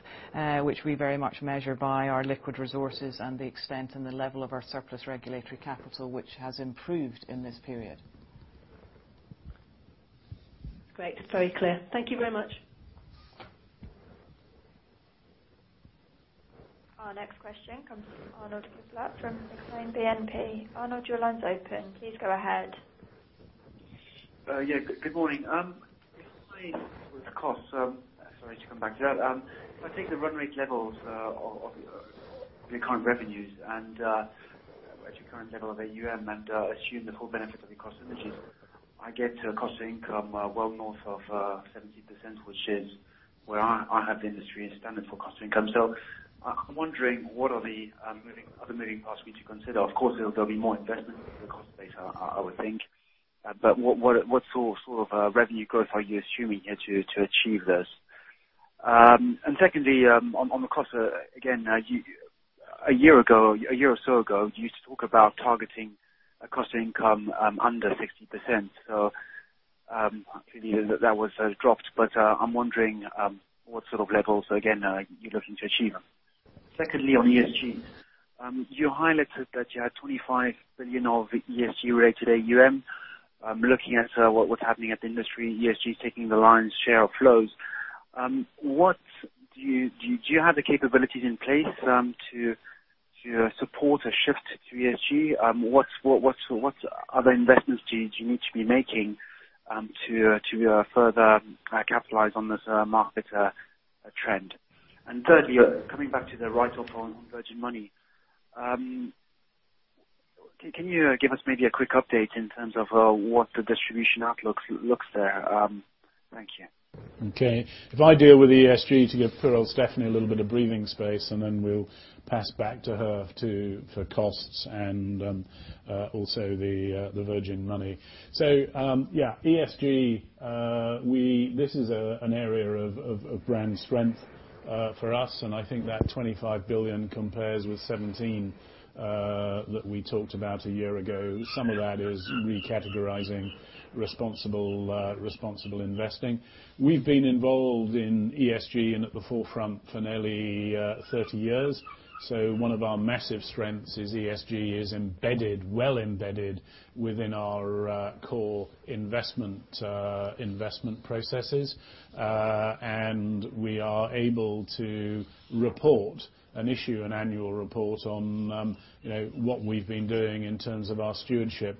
which we very much measure by our liquid resources and the extent and the level of our surplus regulatory capital, which has improved in this period. Great. Very clear. Thank you very much. Our next question comes from Arnaud Giblat from Exane BNP. Arnaud, your line's open. Please go ahead. Good morning. Just starting with the costs. Sorry to come back to that. If I take the run rate levels of your current revenues and at your current level of AUM and assume the full benefit of the cost synergies, I get a cost to income well north of 70%, which is where I have the industry standard for cost to income. I'm wondering, what are the moving parts we need to consider? Of course, there'll be more investment in the cost base, I would think. What sort of revenue growth are you assuming here to achieve this? Secondly, on the cost, again, one year or so ago, you used to talk about targeting a cost to income under 60%. Clearly that was dropped. I'm wondering what sort of levels, again, are you looking to achieve? Secondly, on ESG. You highlighted that you had 25 billion of ESG-rated AUM. Looking at what's happening at the industry, ESG is taking the lion's share of flows. Do you have the capabilities in place to support a shift to ESG? What other investments do you need to be making to further capitalize on this market trend? Thirdly, coming back to the write-off on Virgin Money. Can you give us maybe a quick update in terms of what the distribution outlook looks there? Thank you. If I deal with ESG to give poor old Stephanie a little bit of breathing space, then we'll pass back to her for costs and also the Virgin Money. ESG, this is an area of brand strength for us, and I think that 25 billion compares with 17 billion that we talked about a year ago. Some of that is recategorizing responsible investing. We've been involved in ESG and at the forefront for nearly 30 years. One of our massive strengths is ESG is well embedded within our core investment processes. We are able to report and issue an annual report on what we've been doing in terms of our stewardship.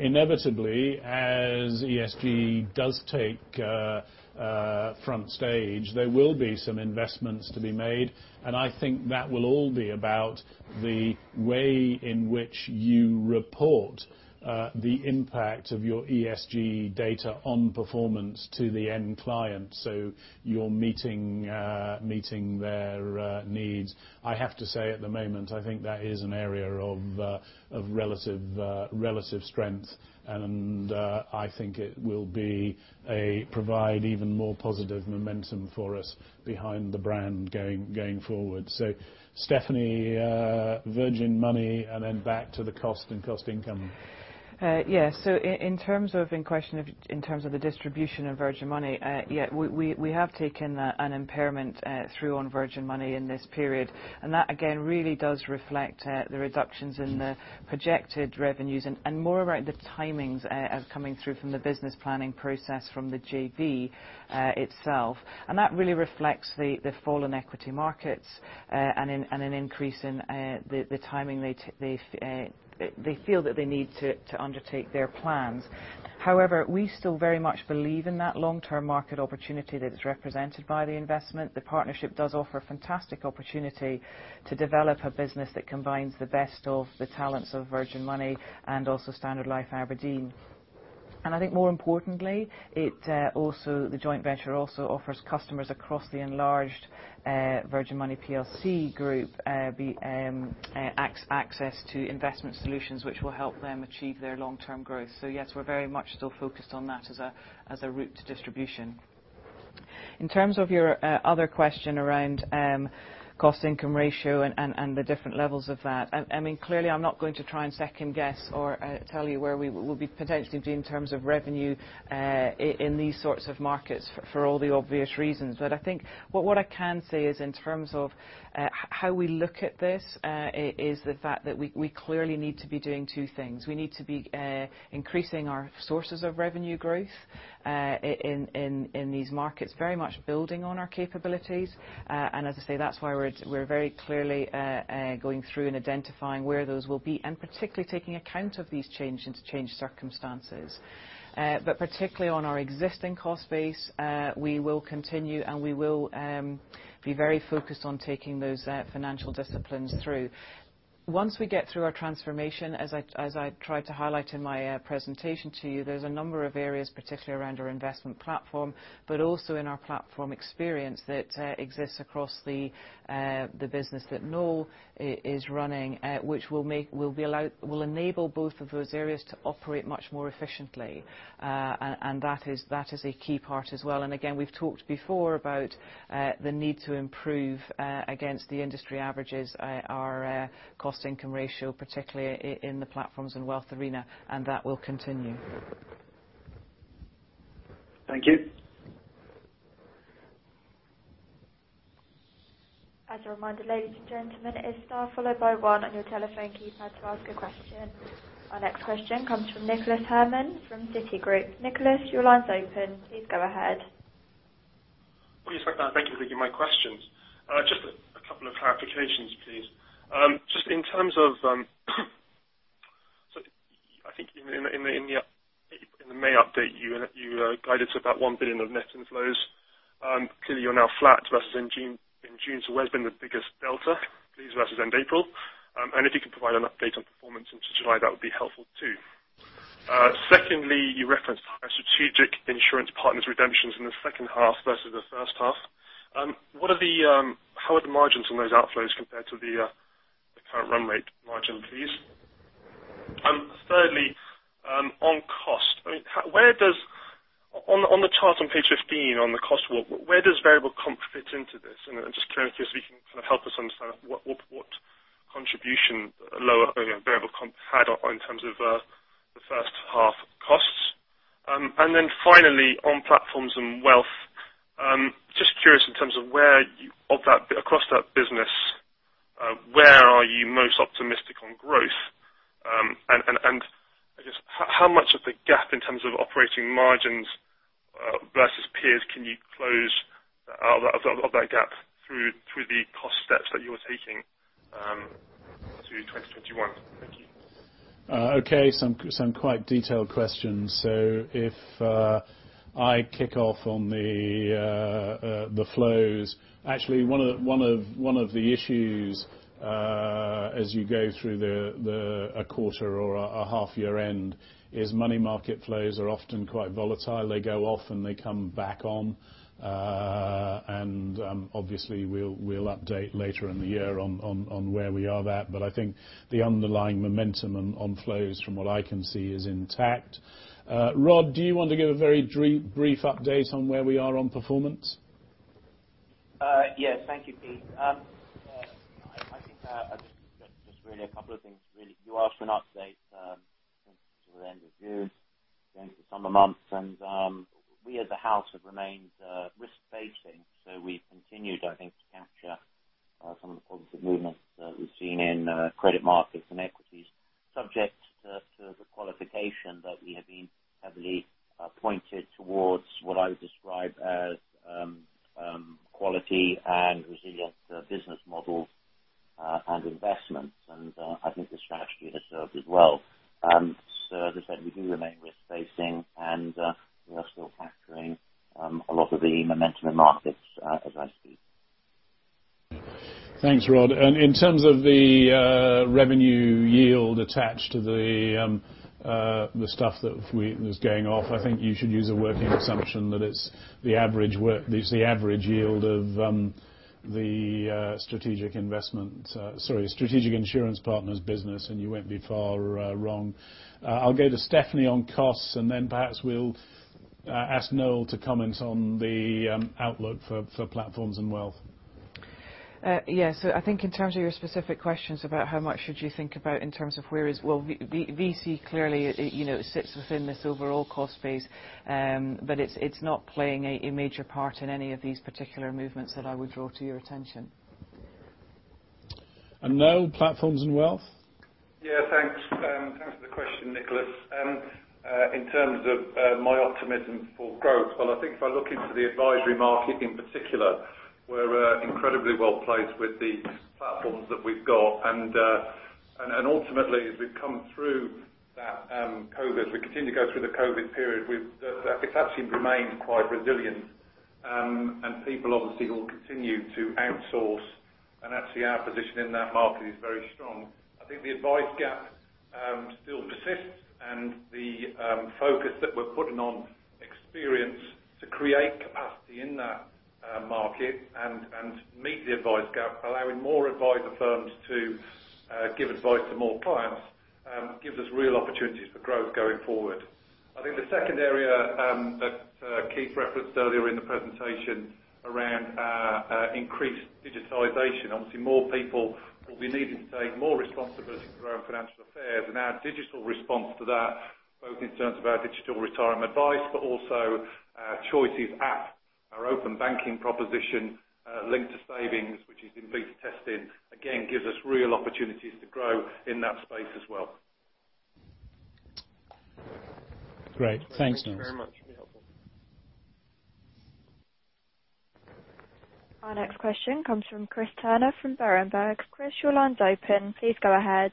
Inevitably, as ESG does take front stage, there will be some investments to be made, and I think that will all be about the way in which you report the impact of your ESG data on performance to the end client. You're meeting their needs. I have to say, at the moment, I think that is an area of relative strength, and I think it will provide even more positive momentum for us behind the brand going forward. Stephanie, Virgin Money, and then back to the cost and cost income. In terms of the distribution of Virgin Money, we have taken an impairment through on Virgin Money in this period. That, again, really does reflect the reductions in the projected revenues and more around the timings coming through from the business planning process from the JV itself. That really reflects the fall in equity markets, and an increase in the timing they feel that they need to undertake their plans. However, we still very much believe in that long-term market opportunity that is represented by the investment. The partnership does offer a fantastic opportunity to develop a business that combines the best of the talents of Virgin Money and also Standard Life Aberdeen. I think more importantly, the joint venture also offers customers across the enlarged Virgin Money PLC group access to investment solutions which will help them achieve their long-term growth. Yes, we're very much still focused on that as a route to distribution. In terms of your other question around cost income ratio and the different levels of that. Clearly, I'm not going to try and second-guess or tell you where we will potentially be in terms of revenue in these sorts of markets for all the obvious reasons. I think what I can say is in terms of how we look at this is the fact that we clearly need to be doing two things. We need to be increasing our sources of revenue growth in these markets, very much building on our capabilities. As I say, that's why we're very clearly going through and identifying where those will be and particularly taking account of these changed circumstances. Particularly on our existing cost base, we will continue, and we will be very focused on taking those financial disciplines through. Once we get through our transformation, as I tried to highlight in my presentation to you, there's a number of areas, particularly around our investment platform, but also in our platform experience that exists across the business that Noel is running, which will enable both of those areas to operate much more efficiently. That is a key part as well. Again, we've talked before about the need to improve against the industry averages our cost income ratio, particularly in the platforms and wealth arena, and that will continue. Thank you. As a reminder, ladies and gentlemen, it is star followed by one on your telephone keypad to ask a question. Our next question comes from Nicholas Herman from Citigroup. Nicholas, your line's open. Please go ahead. Please hold on. Thank you for taking my questions. Just a couple of clarifications, please. I think in the May update, you guided to about 1 billion of net inflows. Clearly, you are now flat versus in June. Where has been the biggest delta please versus end April? If you could provide an update on performance into July, that would be helpful too. Secondly, you referenced strategic insurance partners redemptions in the second half versus the first half. How are the margins on those outflows compared to the current run rate margin, please? Thirdly, on cost. On the chart on page 15 on the cost, where does variable comp fit into this? Just curiously, if you can help us understand what contribution lower variable comp had in terms of the first half costs. Finally, on platforms and wealth. Just curious in terms of across that business, where are you most optimistic on growth? I guess how much of a gap in terms of operating margins versus peers can you close of that gap through the cost steps that you are taking through 2021? Thank you. Some quite detailed questions. If I kick off on the flows. Actually, one of the issues as you go through a quarter or a half year end is money market flows are often quite volatile. They go off, and they come back on. Obviously, we'll update later in the year on where we are there. I think the underlying momentum on flows, from what I can see, is intact. Rod, do you want to give a very brief update on where we are on performance? Yes. Thank you, Keith. I think, just really a couple of things, really. You asked for an update to the end of June, going into the summer months. We as a house have remained risk-basing. We've continued, I think, to capture some of the positive movements that we've seen in credit markets and equities, subject to the qualification that we have been heavily pointed towards what I would describe as quality and resilient business models and investments. I think the strategy has served us well. As I said, we do remain risk-basing and we are still capturing a lot of the momentum in markets as I speak. Thanks, Rod. In terms of the revenue yield attached to the stuff that was going off, I think you should use a working assumption that it's the average yield of the strategic insurance partners business, and you won't be far wrong. I'll go to Stephanie on costs, and then perhaps we'll ask Noel to comment on the outlook for platforms and wealth. Yeah. I think in terms of your specific questions about how much should you think about in terms of Well, VC clearly sits within this overall cost base. It's not playing a major part in any of these particular movements that I would draw to your attention. Noel, platforms and wealth? Yeah, thanks. Thanks for the question, Nicholas. In terms of my optimism for growth, well, I think if I look into the advisory market in particular, we're incredibly well-placed with the platforms that we've got. Ultimately, as we've come through that COVID, we continue to go through the COVID period, it's actually remained quite resilient. People, obviously, will continue to outsource. Actually, our position in that market is very strong. I think the advice gap still persists and the focus that we're putting on experience to create capacity in that market and meet the advice gap, allowing more adviser firms to give advice to more clients, gives us real opportunities for growth going forward. I think the second area that Keith referenced earlier in the presentation around increased digitalization. Obviously, more people will be needing to take more responsibility for their own financial affairs. Our digital response to that, both in terms of our digital retirement advice, but also our Choices app, our open banking proposition linked to savings, which is in beta testing, again, gives us real opportunities to grow in that space as well. Great. Thanks, Noel. Thank you very much. That'll be helpful. Our next question comes from Chris Turner from Berenberg. Chris, your line's open. Please go ahead.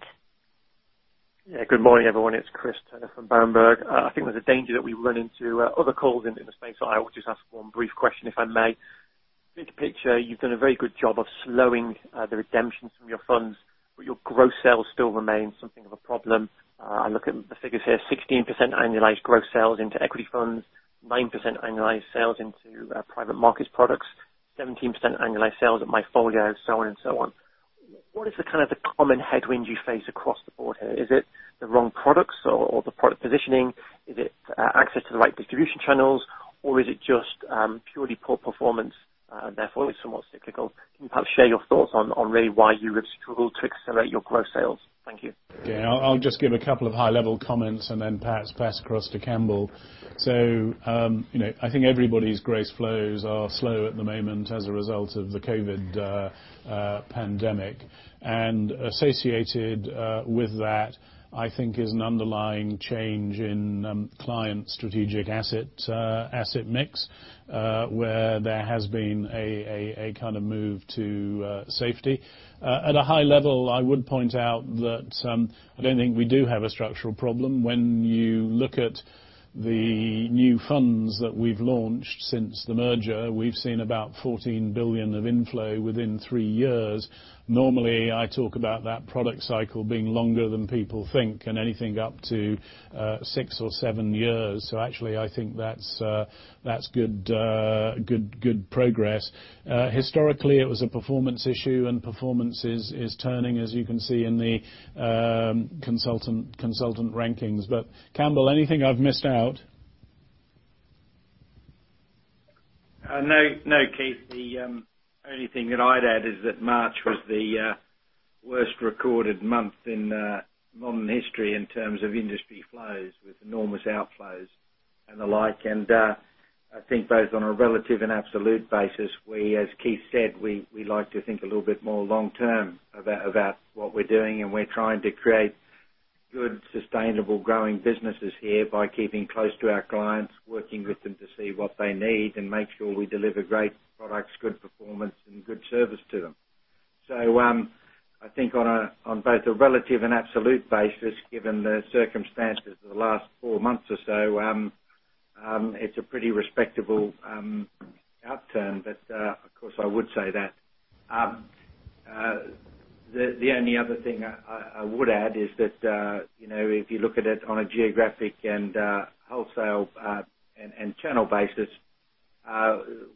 Yeah, good morning, everyone. It's Chris Turner from Berenberg. I think there's a danger that we run into other calls in the space, I will just ask one brief question, if I may. Big picture, you've done a very good job of slowing the redemptions from your funds, your gross sales still remain something of a problem. I look at the figures here, 16% annualized gross sales into equity funds, 9% annualized sales into private markets products, 17% annualized sales at MyFolio, so on and so on. What is the common headwind you face across the board here? Is it the wrong products or the product positioning? Is it access to the right distribution channels? Is it just purely poor performance, therefore it's somewhat cyclical? Can you perhaps share your thoughts on really why you have struggled to accelerate your gross sales? Thank you. Yeah. I'll just give a couple of high-level comments and then perhaps pass across to Campbell. I think everybody's gross flows are slow at the moment as a result of the COVID pandemic. Associated with that, I think is an underlying change in client strategic asset mix, where there has been a kind of move to safety. At a high level, I would point out that I don't think we do have a structural problem. When you look at the new funds that we've launched since the merger, we've seen about 14 billion of inflow within three years. Normally, I talk about that product cycle being longer than people think, and anything up to six or seven years. Actually, I think that's good progress. Historically, it was a performance issue, and performance is turning, as you can see in the consultant rankings. Campbell, anything I've missed out? No, Keith. The only thing that I'd add is that March was the worst recorded month in modern history in terms of industry flows, with enormous outflows and the like. I think both on a relative and absolute basis, we, as Keith said, we like to think a little bit more long term about what we're doing, and we're trying to create good, sustainable, growing businesses here by keeping close to our clients, working with them to see what they need, and make sure we deliver great products, good performance, and good service to them. I think on both a relative and absolute basis, given the circumstances of the last four months or so, it's a pretty respectable outturn, but of course, I would say that. The only other thing I would add is that if you look at it on a geographic and wholesale and channel basis,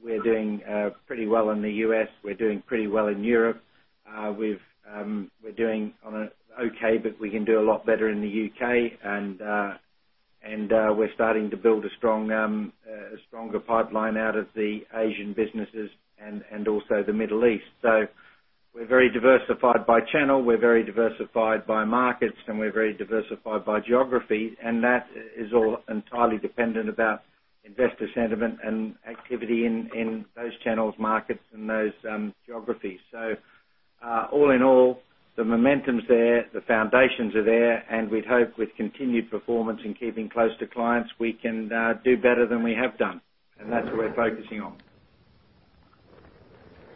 we're doing pretty well in the U.S., we're doing pretty well in Europe. We're doing on an okay, but we can do a lot better in the U.K. We're starting to build a stronger pipeline out of the Asian businesses and also the Middle East. We're very diversified by channel, we're very diversified by markets, and we're very diversified by geography, and that is all entirely dependent about investor sentiment and activity in those channels, markets, and those geographies. All in all, the momentum's there, the foundations are there, and we'd hope with continued performance in keeping close to clients, we can do better than we have done. That's what we're focusing on.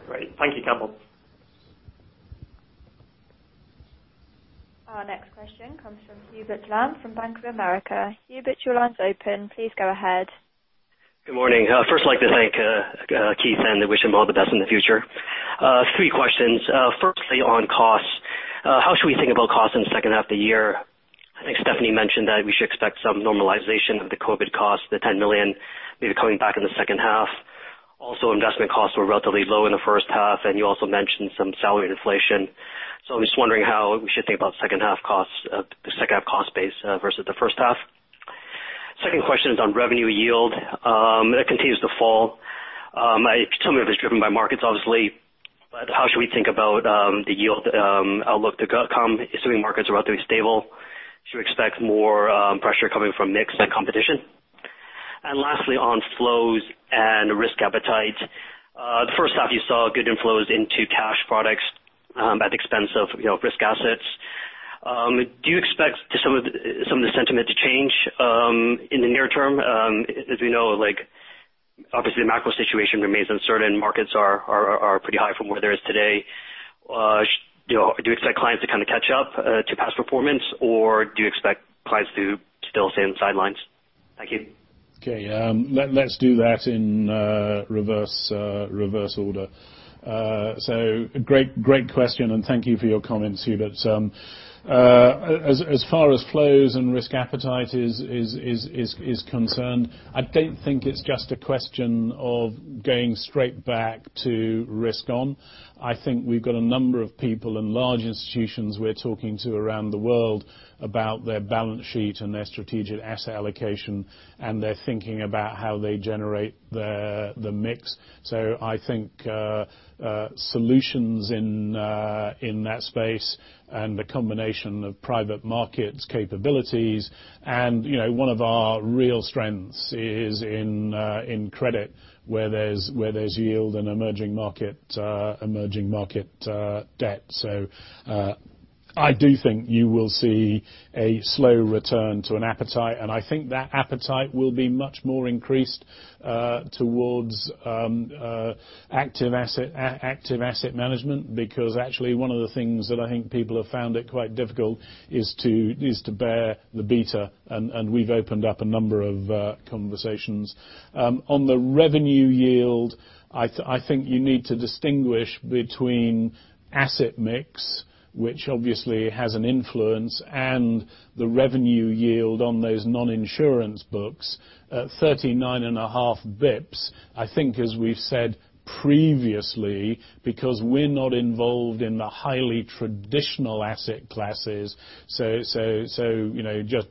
Great. Thank you, Campbell. Our next question comes from Hubert Lam from Bank of America. Hubert, your line's open. Please go ahead. Good morning. First I'd like to thank Keith and wish him all the best in the future. Three questions. Firstly, on costs. How should we think about costs in the second half of the year? I think Stephanie mentioned that we should expect some normalization of the COVID cost, the GBP 10 million maybe coming back in the second half. Also, investment costs were relatively low in the first half, and you also mentioned some salary inflation. I'm just wondering how we should think about second half cost base versus the first half. Second question is on revenue yield. That continues to fall. Some of it is driven by markets, obviously, but how should we think about the yield outlook to come, assuming markets are relatively stable? Should we expect more pressure coming from mix than competition? Lastly, on flows and risk appetite. The first half you saw good inflows into cash products at the expense of risk assets. Do you expect some of the sentiment to change in the near term? We know, obviously the macro situation remains uncertain. Markets are pretty high from where there is today. Do you expect clients to kind of catch up to past performance, or do you expect clients to still stay on the sidelines? Thank you. Okay. Let's do that in reverse order. Great question, and thank you for your comments, Hubert. As far as flows and risk appetite is concerned, I don't think it's just a question of going straight back to risk on. I think we've got a number of people and large institutions we're talking to around the world about their balance sheet and their strategic asset allocation, and they're thinking about how they generate the mix. I think solutions in that space and the combination of private markets capabilities, and one of our real strengths is in credit where there's yield and emerging market debt. I do think you will see a slow return to an appetite, and I think that appetite will be much more increased towards active asset management, because actually one of the things that I think people have found it quite difficult is to bear the beta, and we've opened up a number of conversations. On the revenue yield, I think you need to distinguish between asset mix, which obviously has an influence, and the revenue yield on those non-insurance books. 39.5 bps, I think as we've said previously, because we're not involved in the highly traditional asset classes, so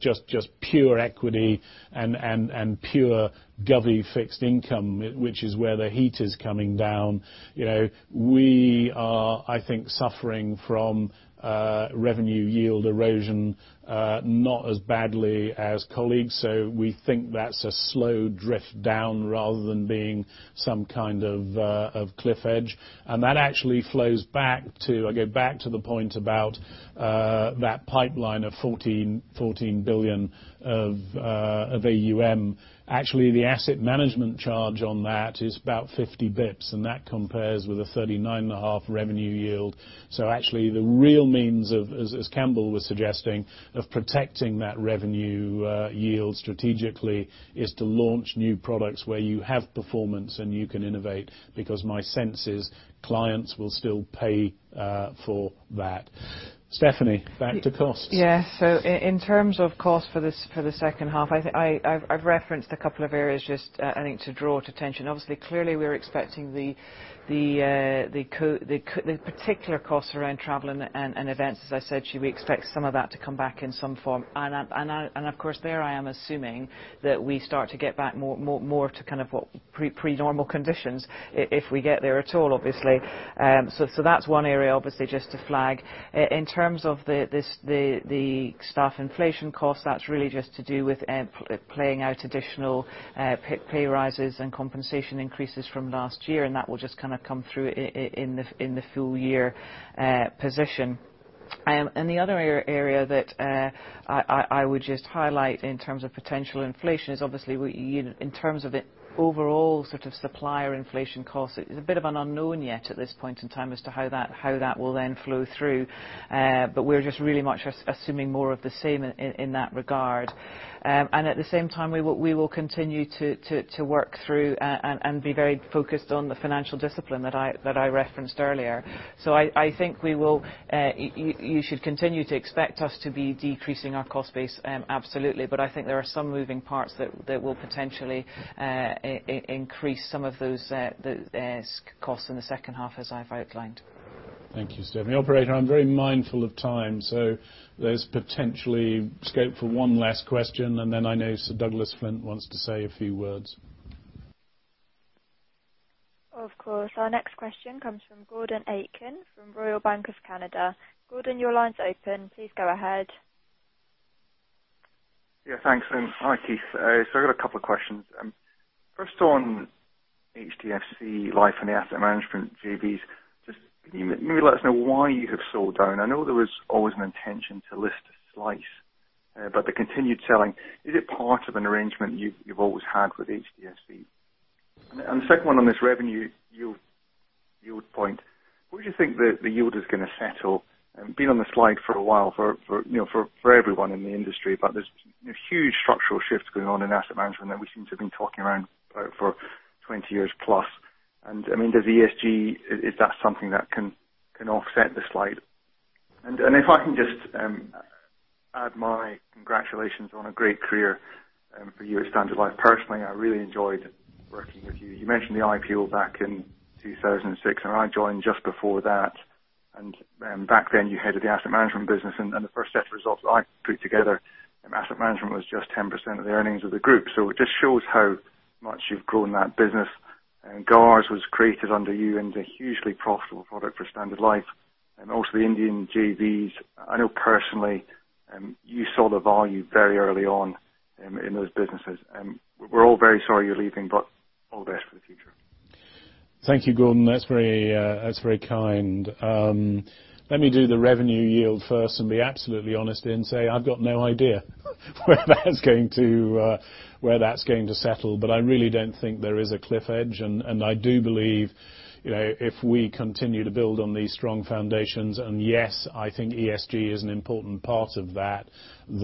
just pure equity and pure govy fixed income, which is where the heat is coming down. We are, I think, suffering from revenue yield erosion, not as badly as colleagues. We think that's a slow drift down rather than being some kind of cliff edge. That actually flows back to, I go back to the point about that pipeline of 14 billion of AUM. Actually, the asset management charge on that is about 50 bps, and that compares with a 39.5% revenue yield. Actually, the real means of, as Campbell was suggesting, of protecting that revenue yield strategically is to launch new products where you have performance and you can innovate, because my sense is clients will still pay for that. Stephanie, back to costs. In terms of cost for the second half, I've referenced a couple of areas just I think to draw to attention. Obviously, clearly we're expecting the particular costs around travel and events, as I said to you, we expect some of that to come back in some form. Of course, there I am assuming that we start to get back more to kind of what pre-normal conditions, if we get there at all, obviously. That's one area, obviously, just to flag. In terms of the staff inflation cost, that's really just to do with playing out additional pay rises and compensation increases from last year, and that will just kind of come through in the full year position. The other area that I would just highlight in terms of potential inflation is obviously in terms of the overall sort of supplier inflation costs. It's a bit of an unknown yet at this point in time as to how that will then flow through. We're just really much assuming more of the same in that regard. At the same time, we will continue to work through and be very focused on the financial discipline that I referenced earlier. I think you should continue to expect us to be decreasing our cost base, absolutely. I think there are some moving parts that will potentially increase some of those costs in the second half, as I've outlined. Thank you, Stephanie. Operator, I'm very mindful of time. There's potentially scope for one last question, and then I know Sir Douglas Flint wants to say a few words. Of course. Our next question comes from Gordon Aitken from Royal Bank of Canada. Gordon, your line's open. Please go ahead. Thanks. Hi, Keith. I got a couple of questions. First on HDFC Life and the asset management JVs. Can you maybe let us know why you have sold down? I know there was always an intention to list a slice. The continued selling, is it part of an arrangement you've always had with HDFC? The second one on this revenue yield point, where do you think the yield is going to settle? Been on the slide for a while for everyone in the industry, but there's huge structural shifts going on in asset management that we seem to have been talking around for 20 years plus. Does ESG, is that something that can offset the slide? If I can just add my congratulations on a great career for you at Standard Life. Personally, I really enjoyed working with you. You mentioned the IPO back in 2006, and I joined just before that. Back then, you headed the asset management business. The first set of results I put together in asset management was just 10% of the earnings of the group. It just shows how much you've grown that business. GARS was created under you, and it's a hugely profitable product for Standard Life. Also the Indian JVs, I know personally, you saw the value very early on in those businesses. We're all very sorry you're leaving, but all the best for the future. Thank you, Gordon. That's very kind. Let me do the revenue yield first and be absolutely honest and say I've got no idea where that's going to settle. I really don't think there is a cliff edge. I do believe if we continue to build on these strong foundations. Yes, I think ESG is an important part of that. It's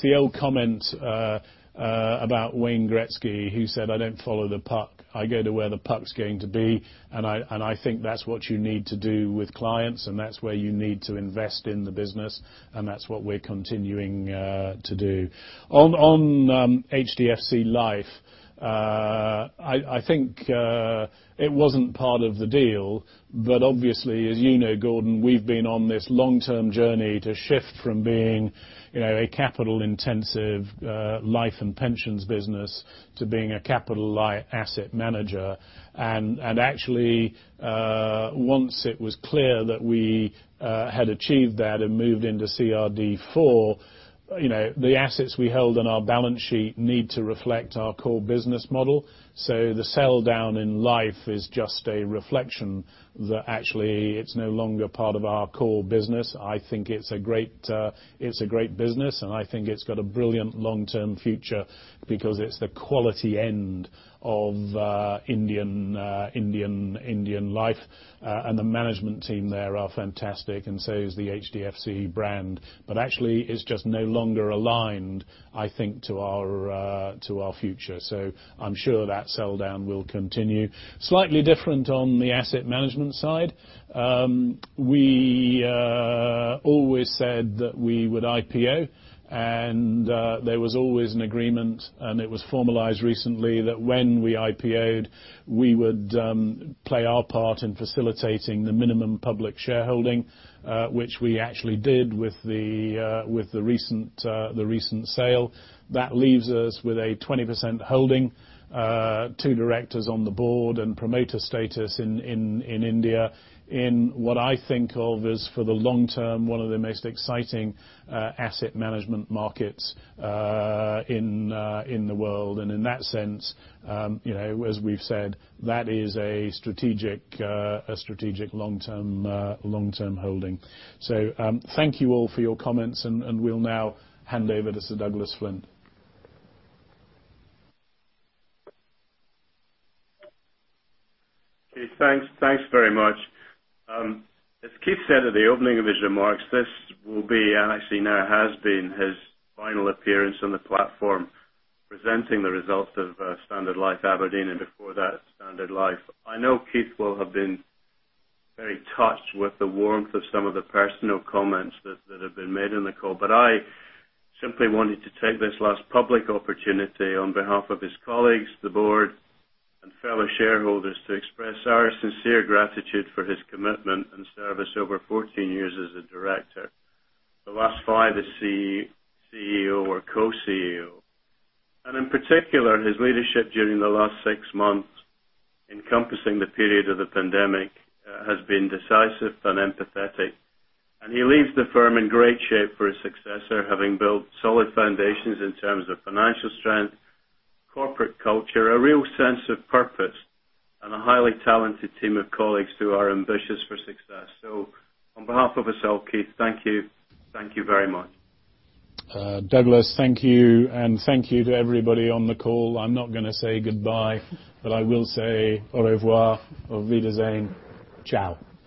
the old comment about Wayne Gretzky who said, "I don't follow the puck. I go to where the puck's going to be." I think that's what you need to do with clients, and that's where you need to invest in the business, and that's what we're continuing to do. On HDFC Life, I think it wasn't part of the deal, but obviously, as you know, Gordon, we've been on this long-term journey to shift from being a capital-intensive life and pensions business to being a capital asset manager. Actually, once it was clear that we had achieved that and moved into CRD IV, the assets we held on our balance sheet need to reflect our core business model. The sell-down in Life is just a reflection that actually it's no longer part of our core business. I think it's a great business, and I think it's got a brilliant long-term future because it's the quality end of Indian life. The management team there are fantastic, and so is the HDFC brand. Actually, it's just no longer aligned, I think, to our future. I'm sure that sell-down will continue. Slightly different on the asset management side. We always said that we would IPO, and there was always an agreement, and it was formalized recently that when we IPO'd, we would play our part in facilitating the minimum public shareholding, which we actually did with the recent sale. That leaves us with a 20% holding, two directors on the board, and promoter status in India in what I think of as, for the long term, one of the most exciting asset management markets in the world. In that sense, as we've said, that is a strategic long-term holding. Thank you all for your comments, and we'll now hand over to Sir Douglas Flint. Okay, thanks. Thanks very much. As Keith said at the opening of his remarks, this will be, and actually now has been, his final appearance on the platform presenting the results of Standard Life Aberdeen, and before that, Standard Life. I know Keith will have been very touched with the warmth of some of the personal comments that have been made on the call. I simply wanted to take this last public opportunity on behalf of his colleagues, the board, and fellow shareholders to express our sincere gratitude for his commitment and service over 14 years as a director. The last five as CEO or co-CEO. In particular, his leadership during the last six months, encompassing the period of the pandemic, has been decisive and empathetic. He leaves the firm in great shape for his successor, having built solid foundations in terms of financial strength, corporate culture, a real sense of purpose, and a highly talented team of colleagues who are ambitious for success. On behalf of us all, Keith, thank you. Thank you very much. Douglas, thank you, and thank you to everybody on the call. I'm not going to say goodbye, but I will say au revoir or wiedersehen. Ciao.